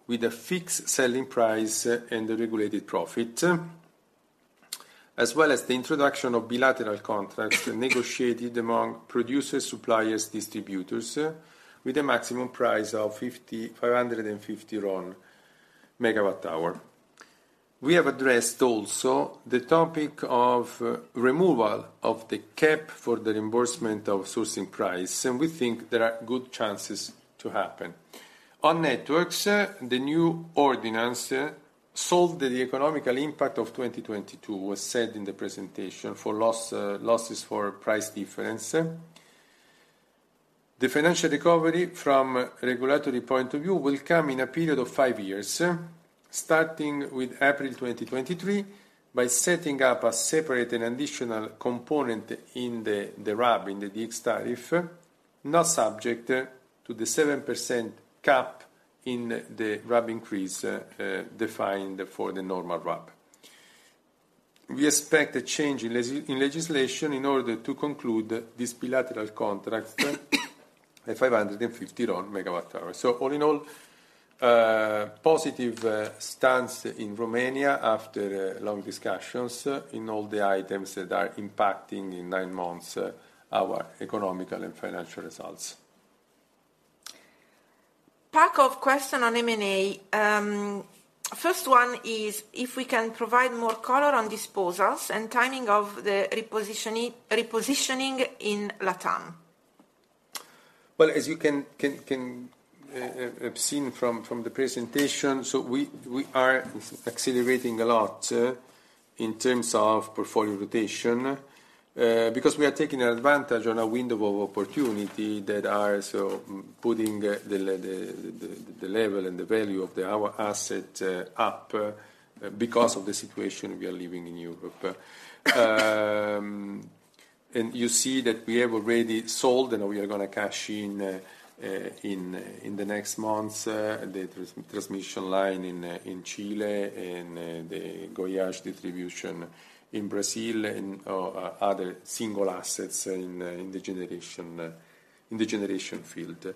Speaker 3: with a fixed selling price and a regulated profit, as well as the introduction of bilateral contracts negotiated among producers, suppliers, distributors, with a maximum price of 5,550 RON/MWh. We have addressed also the topic of removal of the cap for the reimbursement of sourcing price, and we think there are good chances to happen. On networks, the new ordinance solved the economic impact of 2022, was said in the presentation, for losses for price difference. The financial recovery from regulatory point of view will come in a period of 5 years, starting with April 2023, by setting up a separate and additional component in the RAB, in the Dx tariff, not subject to the 7% cap in the RAB increase, defined for the normal RAB. We expect a change in legislation in order to conclude this bilateral contract at 550 RON megawatt-hour. All in all, positive stance in Romania after long discussions in all the items that are impacting in 9 months our economic and financial results.
Speaker 2: Pack of questions on M&A. First one is if we can provide more color on disposals and timing of the repositioning in LatAm.
Speaker 3: Well, as you can see from the presentation, we are accelerating a lot in terms of portfolio rotation because we are taking advantage of a window of opportunity that is putting the level and the value of our assets up because of the situation we are living in Europe. You see that we have already sold and we are gonna cash in in the next months the transmission line in Chile and the Enel Distribuição Goiás in Brazil and other single assets in the generation field.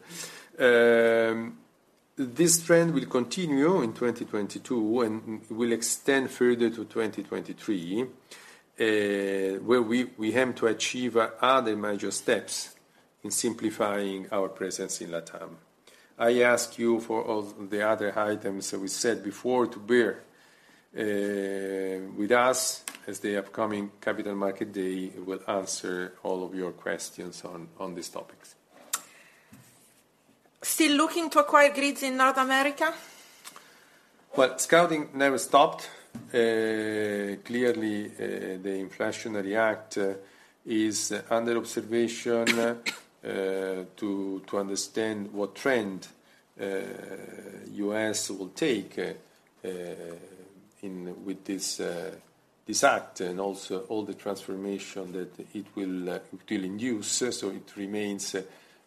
Speaker 3: This trend will continue in 2022 and will extend further to 2023 where we aim to achieve other major steps in simplifying our presence in LatAm. I ask you for all the other items that we said before to bear with us, as the upcoming Capital Markets Day will answer all of your questions on these topics.
Speaker 2: Still looking to acquire grids in North America?
Speaker 3: Well, scouting never stopped. Clearly, the Inflation Reduction Act is under observation to understand what trend the U.S. will take with this act, and also all the transformation that it will induce. It remains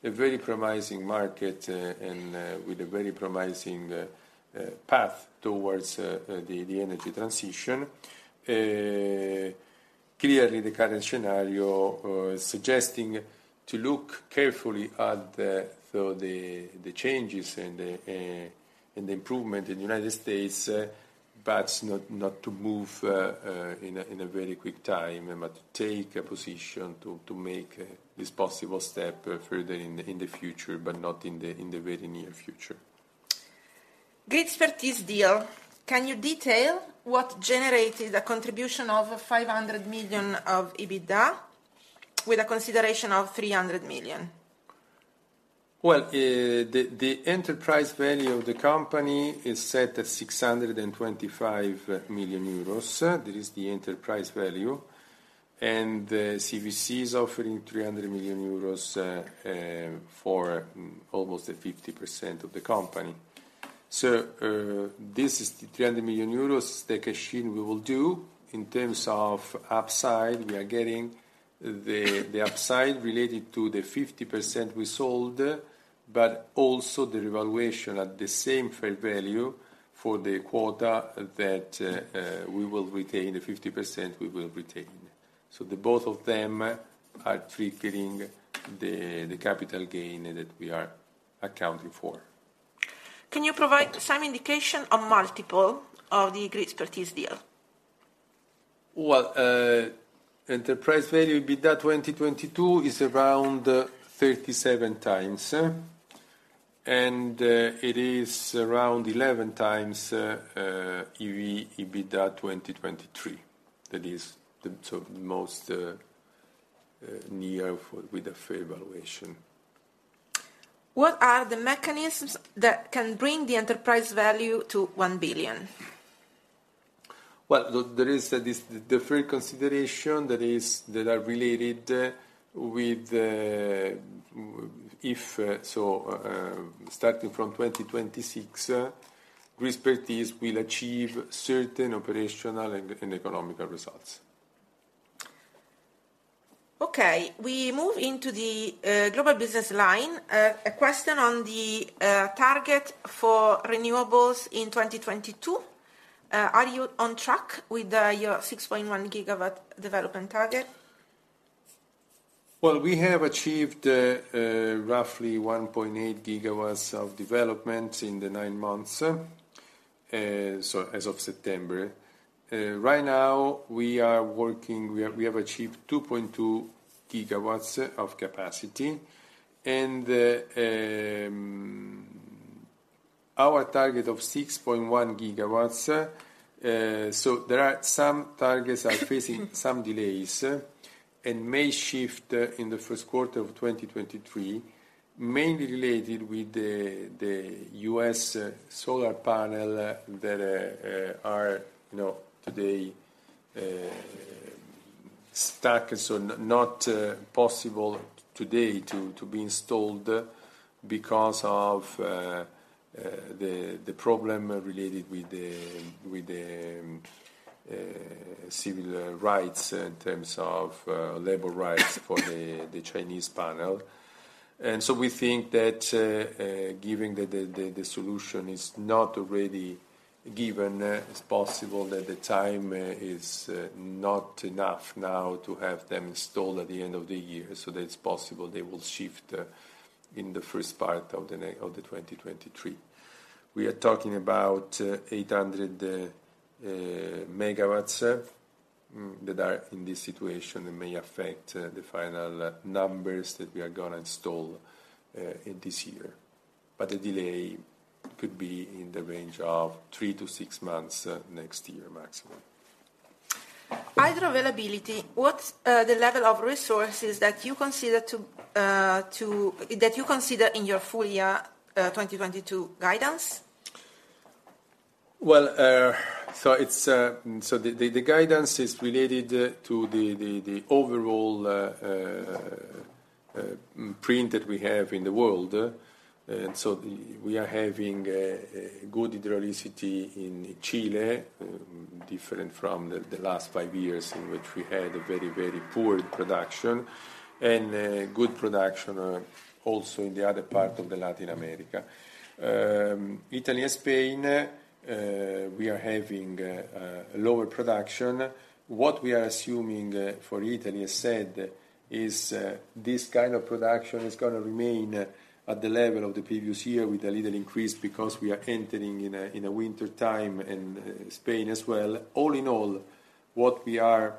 Speaker 3: a very promising market, and with a very promising path towards the energy transition. Clearly the current scenario suggesting to look carefully at the changes and the improvement in the United States, but not to move in a very quick time, but to take a position to make this possible step further in the future, but not in the very near future.
Speaker 2: Gridspertise deal. Can you detail what generated a contribution of 500 million of EBITDA with a consideration of 300 million?
Speaker 3: Well, the enterprise value of the company is set at 625 million euros. That is the enterprise value. CVC is offering 300 million euros for almost 50% of the company. This is the 300 million euros, the cash in we will do. In terms of upside, we are getting the upside related to the 50% we sold, but also the revaluation at the same fair value for the quota that we will retain, the 50% we will retain. Both of them are triggering the capital gain that we are accounting for.
Speaker 2: Can you provide some indication on multiple of the Gridspertise deal?
Speaker 3: EV/EBITDA 2022 is around 37x. It is around 11x EV/EBITDA 2023. That is sort of the most in line with the fair valuation.
Speaker 2: What are the mechanisms that can bring the enterprise value to 1 billion?
Speaker 3: Well, there is this deferred consideration that are related with starting from 2026, Gridspertise will achieve certain operational and economic results.
Speaker 2: Okay, we move into the global business line. A question on the target for renewables in 2022. Are you on track with your 6.1 GW development target?
Speaker 3: Well, we have achieved roughly 1.8 gigawatts of development in the nine months, so as of September. We have achieved 2.2 gigawatts of capacity. Our target of 6.1 gigawatts. There are some targets facing some delays, and may shift in the Q1 of 2023, mainly related with the U.S. solar panel that are, you know, today stuck. Not possible today to be installed because of the problem related with the civil rights in terms of labor rights for the Chinese panel. We think that, given that the solution is not already given, it's possible that the time is not enough now to have them installed at the end of the year. It's possible they will shift in the first part of 2023. We are talking about 800 megawatts that are in this situation and may affect the final numbers that we are gonna install in this year. The delay could be in the range of 3-6 months next year maximum.
Speaker 2: Hydro availability, what's the level of resources that you consider in your full year 2022 guidance?
Speaker 3: The guidance is related to the overall print that we have in the world. We are having good hydroelectricity in Chile, different from the last 5 years in which we had a very poor production, and good production also in the other part of Latin America. Italy and Spain, we are having a lower production. What we are assuming for Italy, as said, is this kind of production is gonna remain at the level of the previous year with a little increase because we are entering in a winter time, and Spain as well. All in all, what we are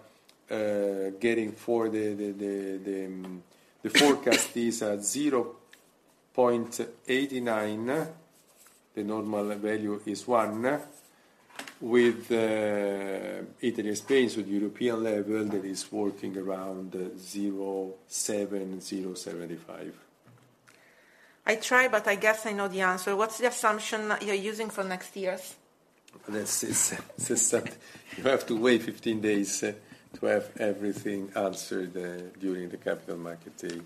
Speaker 3: getting for the forecast is at 0.89. The normal value is 1. With Italy and Spain, so the European level, that is working around 0.7-0.75.
Speaker 2: I try, but I guess I know the answer. What's the assumption that you're using for next year's?
Speaker 3: This is that you have to wait 15 days to have everything answered during the Capital Markets Day.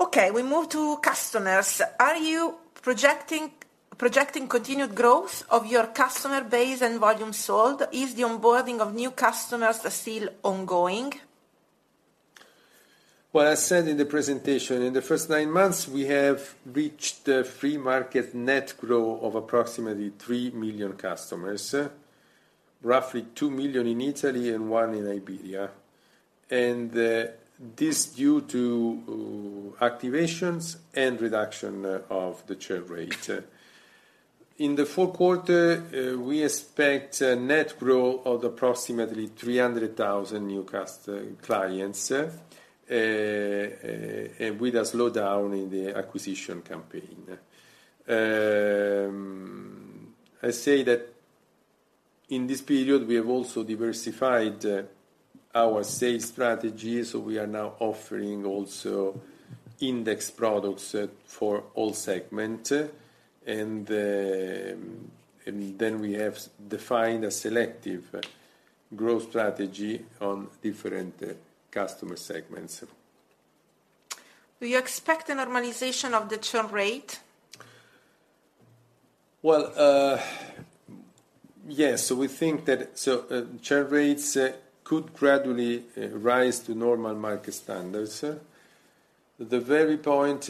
Speaker 2: Okay, we move to customers. Are you projecting continued growth of your customer base and volume sold? Is the onboarding of new customers still ongoing?
Speaker 3: What I said in the presentation, in the first nine months, we have reached a free market net growth of approximately 3 million customers. Roughly 2 million in Italy and 1 in Iberia. This due to activations and reduction of the churn rate. In the Q4, we expect net growth of approximately 300,000 new clients with a slowdown in the acquisition campaign. I say that in this period, we have also diversified our sales strategy, so we are now offering also index products for all segment. Then we have defined a selective growth strategy on different customer segments.
Speaker 2: Do you expect a normalization of the churn rate?
Speaker 3: Well, yes. We think that churn rates could gradually rise to normal market standards. The very point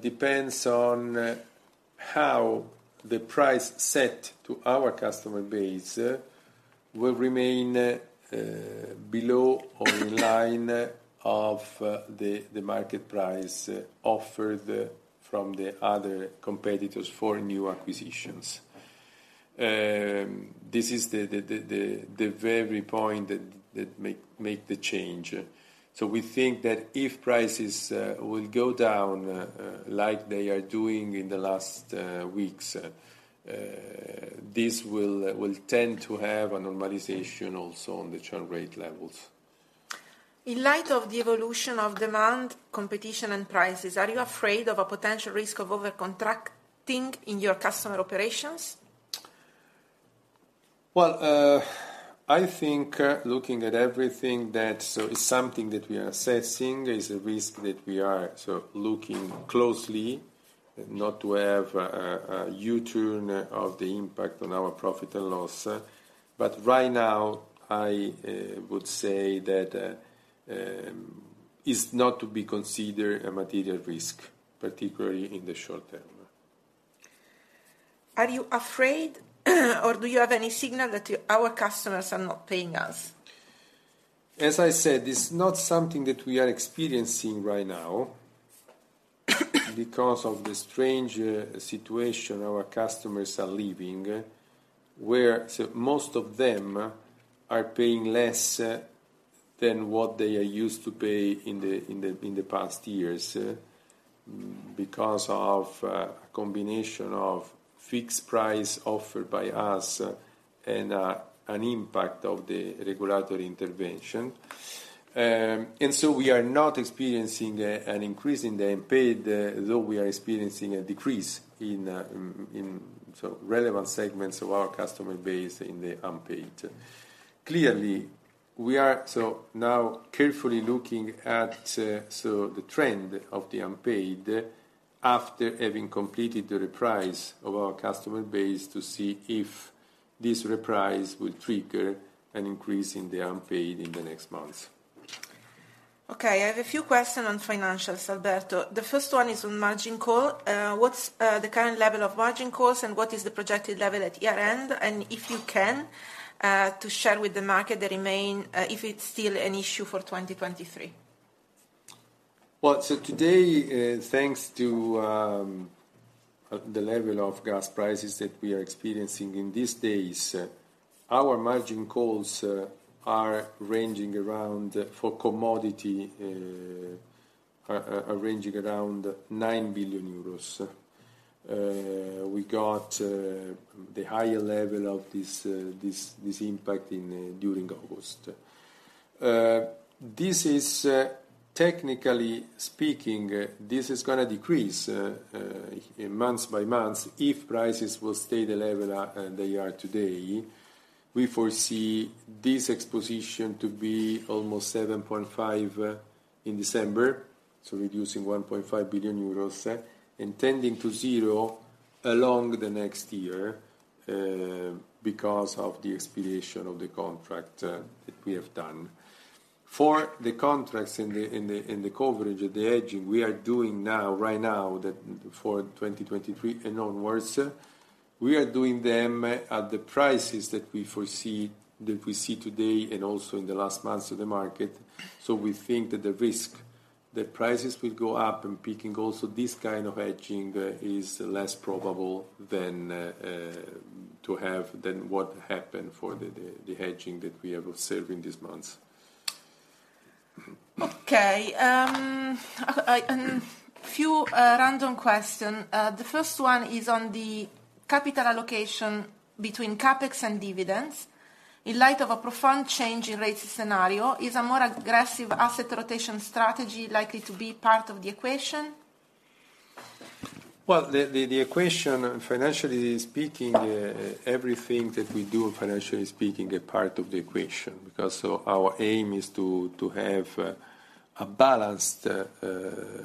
Speaker 3: depends on how the price set to our customer base will remain below or in line of the very point that make the change. We think that if prices will go down like they are doing in the last weeks this will tend to have a normalization also on the churn rate levels.
Speaker 2: In light of the evolution of demand, competition, and prices, are you afraid of a potential risk of over-contracting in your customer operations?
Speaker 3: I think looking at everything that it's something that we are assessing, is a risk that we are sort of looking closely not to have a U-turn of the impact on our profit and loss. Right now, I would say that is not to be considered a material risk, particularly in the short term.
Speaker 2: Are you afraid, or do you have any signal that your customers are not paying us?
Speaker 3: As I said, it's not something that we are experiencing right now, because of the strange situation our customers are living, where most of them are paying less than what they are used to pay in the past years, because of a combination of fixed price offered by us and an impact of the regulatory intervention. We are not experiencing an increase in the unpaid, though we are experiencing a decrease in relevant segments of our customer base in the unpaid. Clearly, we are now carefully looking at the trend of the unpaid after having completed the reprice of our customer base to see if this reprice will trigger an increase in the unpaid in the next months.
Speaker 2: I have a few questions on financials, Alberto. The first one is on margin calls. What's the current level of margin calls, and what is the projected level at year-end? If you can share with the market the remaining, if it's still an issue for 2023.
Speaker 3: Today, thanks to the level of gas prices that we are experiencing in these days, our margin calls are ranging around, for commodity, nine billion euros. We got the higher level of this impact during August. This is, technically speaking, going to decrease month by month if prices will stay the level they are today. We foresee this exposure to be almost 7.5 billion in December, so reducing 1.5 billion euros, and tending to zero along the next year because of the expiration of the contract that we have done. For the contracts in the coverage, the hedging we are doing now, right now, for 2023 and onwards, we are doing them at the prices that we foresee, that we see today and also in the last months of the market. We think that the risk that prices will go up and peaking also, this kind of hedging is less probable than to have than what happened for the hedging that we have observed in these months.
Speaker 2: Okay. A few random questions. The first one is on the capital allocation between CapEx and dividends. In light of a profound change in rates scenario, is a more aggressive asset rotation strategy likely to be part of the equation?
Speaker 3: Well, the equation, financially speaking, everything that we do, financially speaking, a part of the equation. Our aim is to have a balanced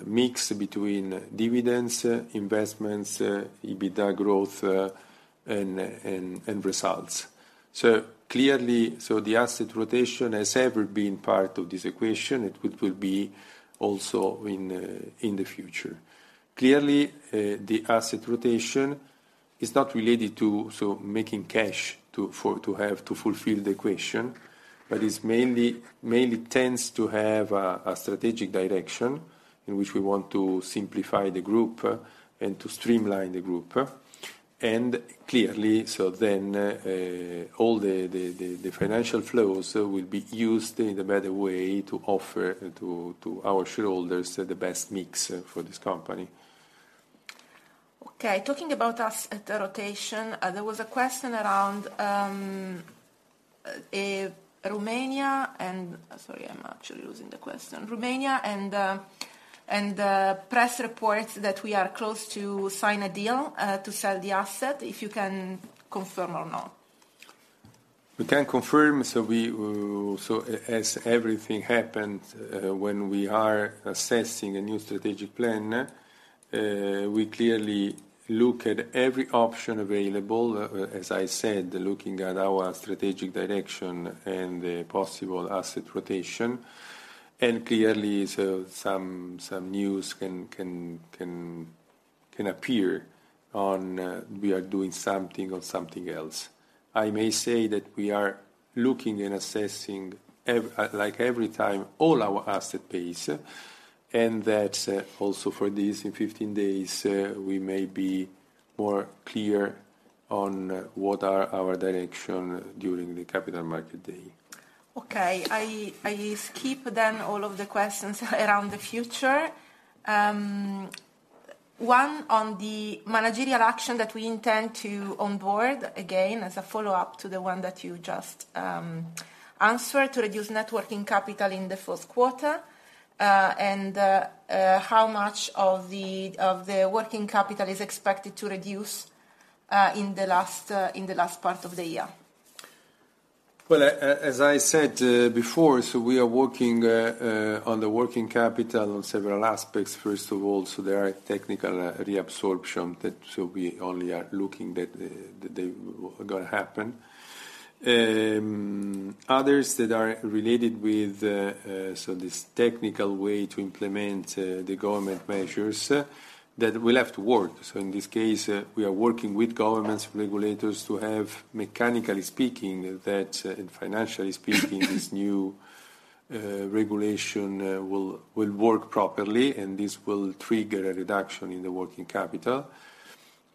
Speaker 3: mix between dividends, investments, EBITDA growth, and results. Clearly, the asset rotation has ever been part of this equation. It will be also in the future. Clearly, the asset rotation is not related to making cash to have to fulfill the equation. But it mainly tends to have a strategic direction in which we want to simplify the group and to streamline the group. Clearly, all the financial flows will be used in a better way to offer to our shareholders the best mix for this company.
Speaker 2: Okay, talking about asset rotation, there was a question around Romania. Sorry, I'm actually losing the question. Romania and the press reports that we are close to sign a deal to sell the asset, if you can confirm or not?
Speaker 3: We can confirm. As everything happened, when we are assessing a new strategic plan, we clearly look at every option available, as I said, looking at our strategic direction and the possible asset rotation. Clearly, some news can appear on we are doing something or something else. I may say that we are looking and assessing, like every time, all our asset base, and that also for this, in 15 days, we may be more clear on what are our direction during the Capital Markets Day.
Speaker 2: Okay. I skip all of the questions around the future. One on the managerial action that we intend to onboard, again, as a follow-up to the one that you just answered to reduce net working capital in the Q1, and how much of the working capital is expected to reduce in the last part of the year.
Speaker 3: Well, as I said before, we are working on the working capital on several aspects, first of all. There are technical reabsorption that we only are looking that they gonna happen. Others that are related with the sort of technical way to implement the government measures that will have to work. In this case, we are working with governments, regulators to have, mechanically speaking, that, and financially speaking, this new regulation will work properly, and this will trigger a reduction in the working capital.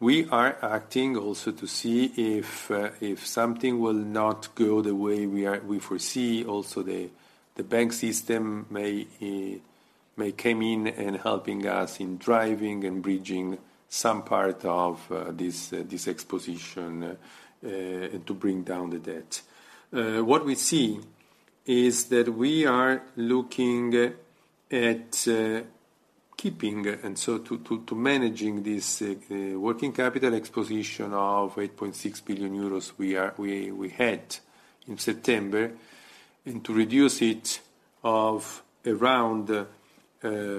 Speaker 3: We are acting also to see if something will not go the way we foresee. The banking system may come in and helping us in driving and bridging some part of this exposure to bring down the debt. What we see is that we are looking at keeping and so to managing this working capital exposure of 8.6 billion euros we had in September, and to reduce it of around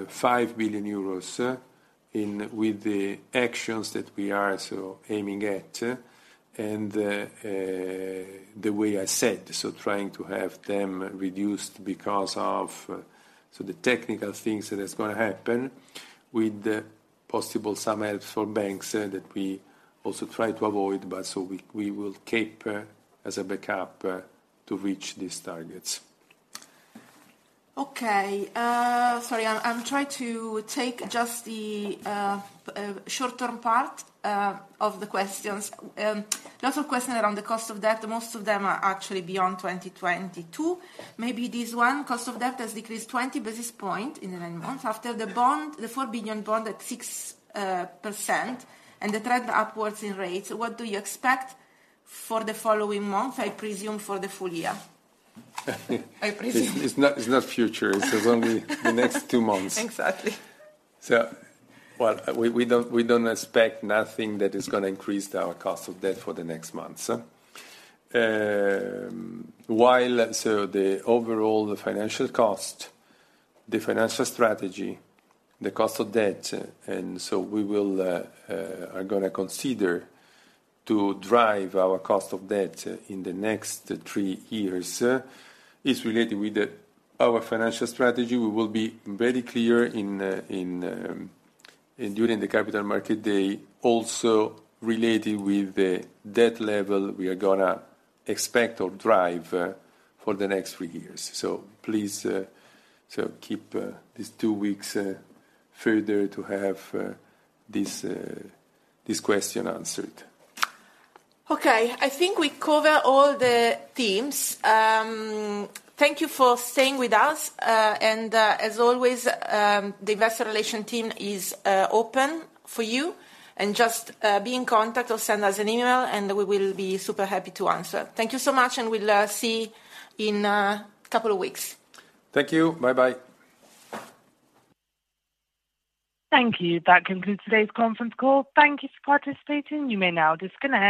Speaker 3: 5 billion euros with the actions that we are aiming at. The way I said, trying to have them reduced because of the technical things that is gonna happen with the possible some help from banks that we also try to avoid, but we will keep as a backup to reach these targets.
Speaker 2: Okay. Sorry, I'm trying to take just the short-term part of the questions. Lots of questions around the cost of debt. Most of them are actually beyond 2022. Maybe this one, cost of debt has decreased 20 basis points in nine months after the bond, the 4 billion bond at 6% and the trend upwards in rates. What do you expect for the following month, I presume, for the full year? I presume.
Speaker 3: It's not future. It is only the next two months.
Speaker 2: Exactly.
Speaker 3: Well, we don't expect nothing that is gonna increase our cost of debt for the next months. The overall financial cost, the financial strategy, the cost of debt and so we are gonna consider to drive our cost of debt in the next three years is related with our financial strategy. We will be very clear during the Capital Markets Day also related with the debt level we are gonna expect or drive for the next three years. Please keep these two weeks further to have this question answered.
Speaker 2: Okay. I think we covered all the themes. Thank you for staying with us. As always, the Investor Relations team is open for you. Just be in contact or send us an email, and we will be super happy to answer. Thank you so much, and we'll see you in a couple of weeks.
Speaker 3: Thank you. Bye-bye.
Speaker 1: Thank you. That concludes today's conference call. Thank you for participating. You may now disconnect.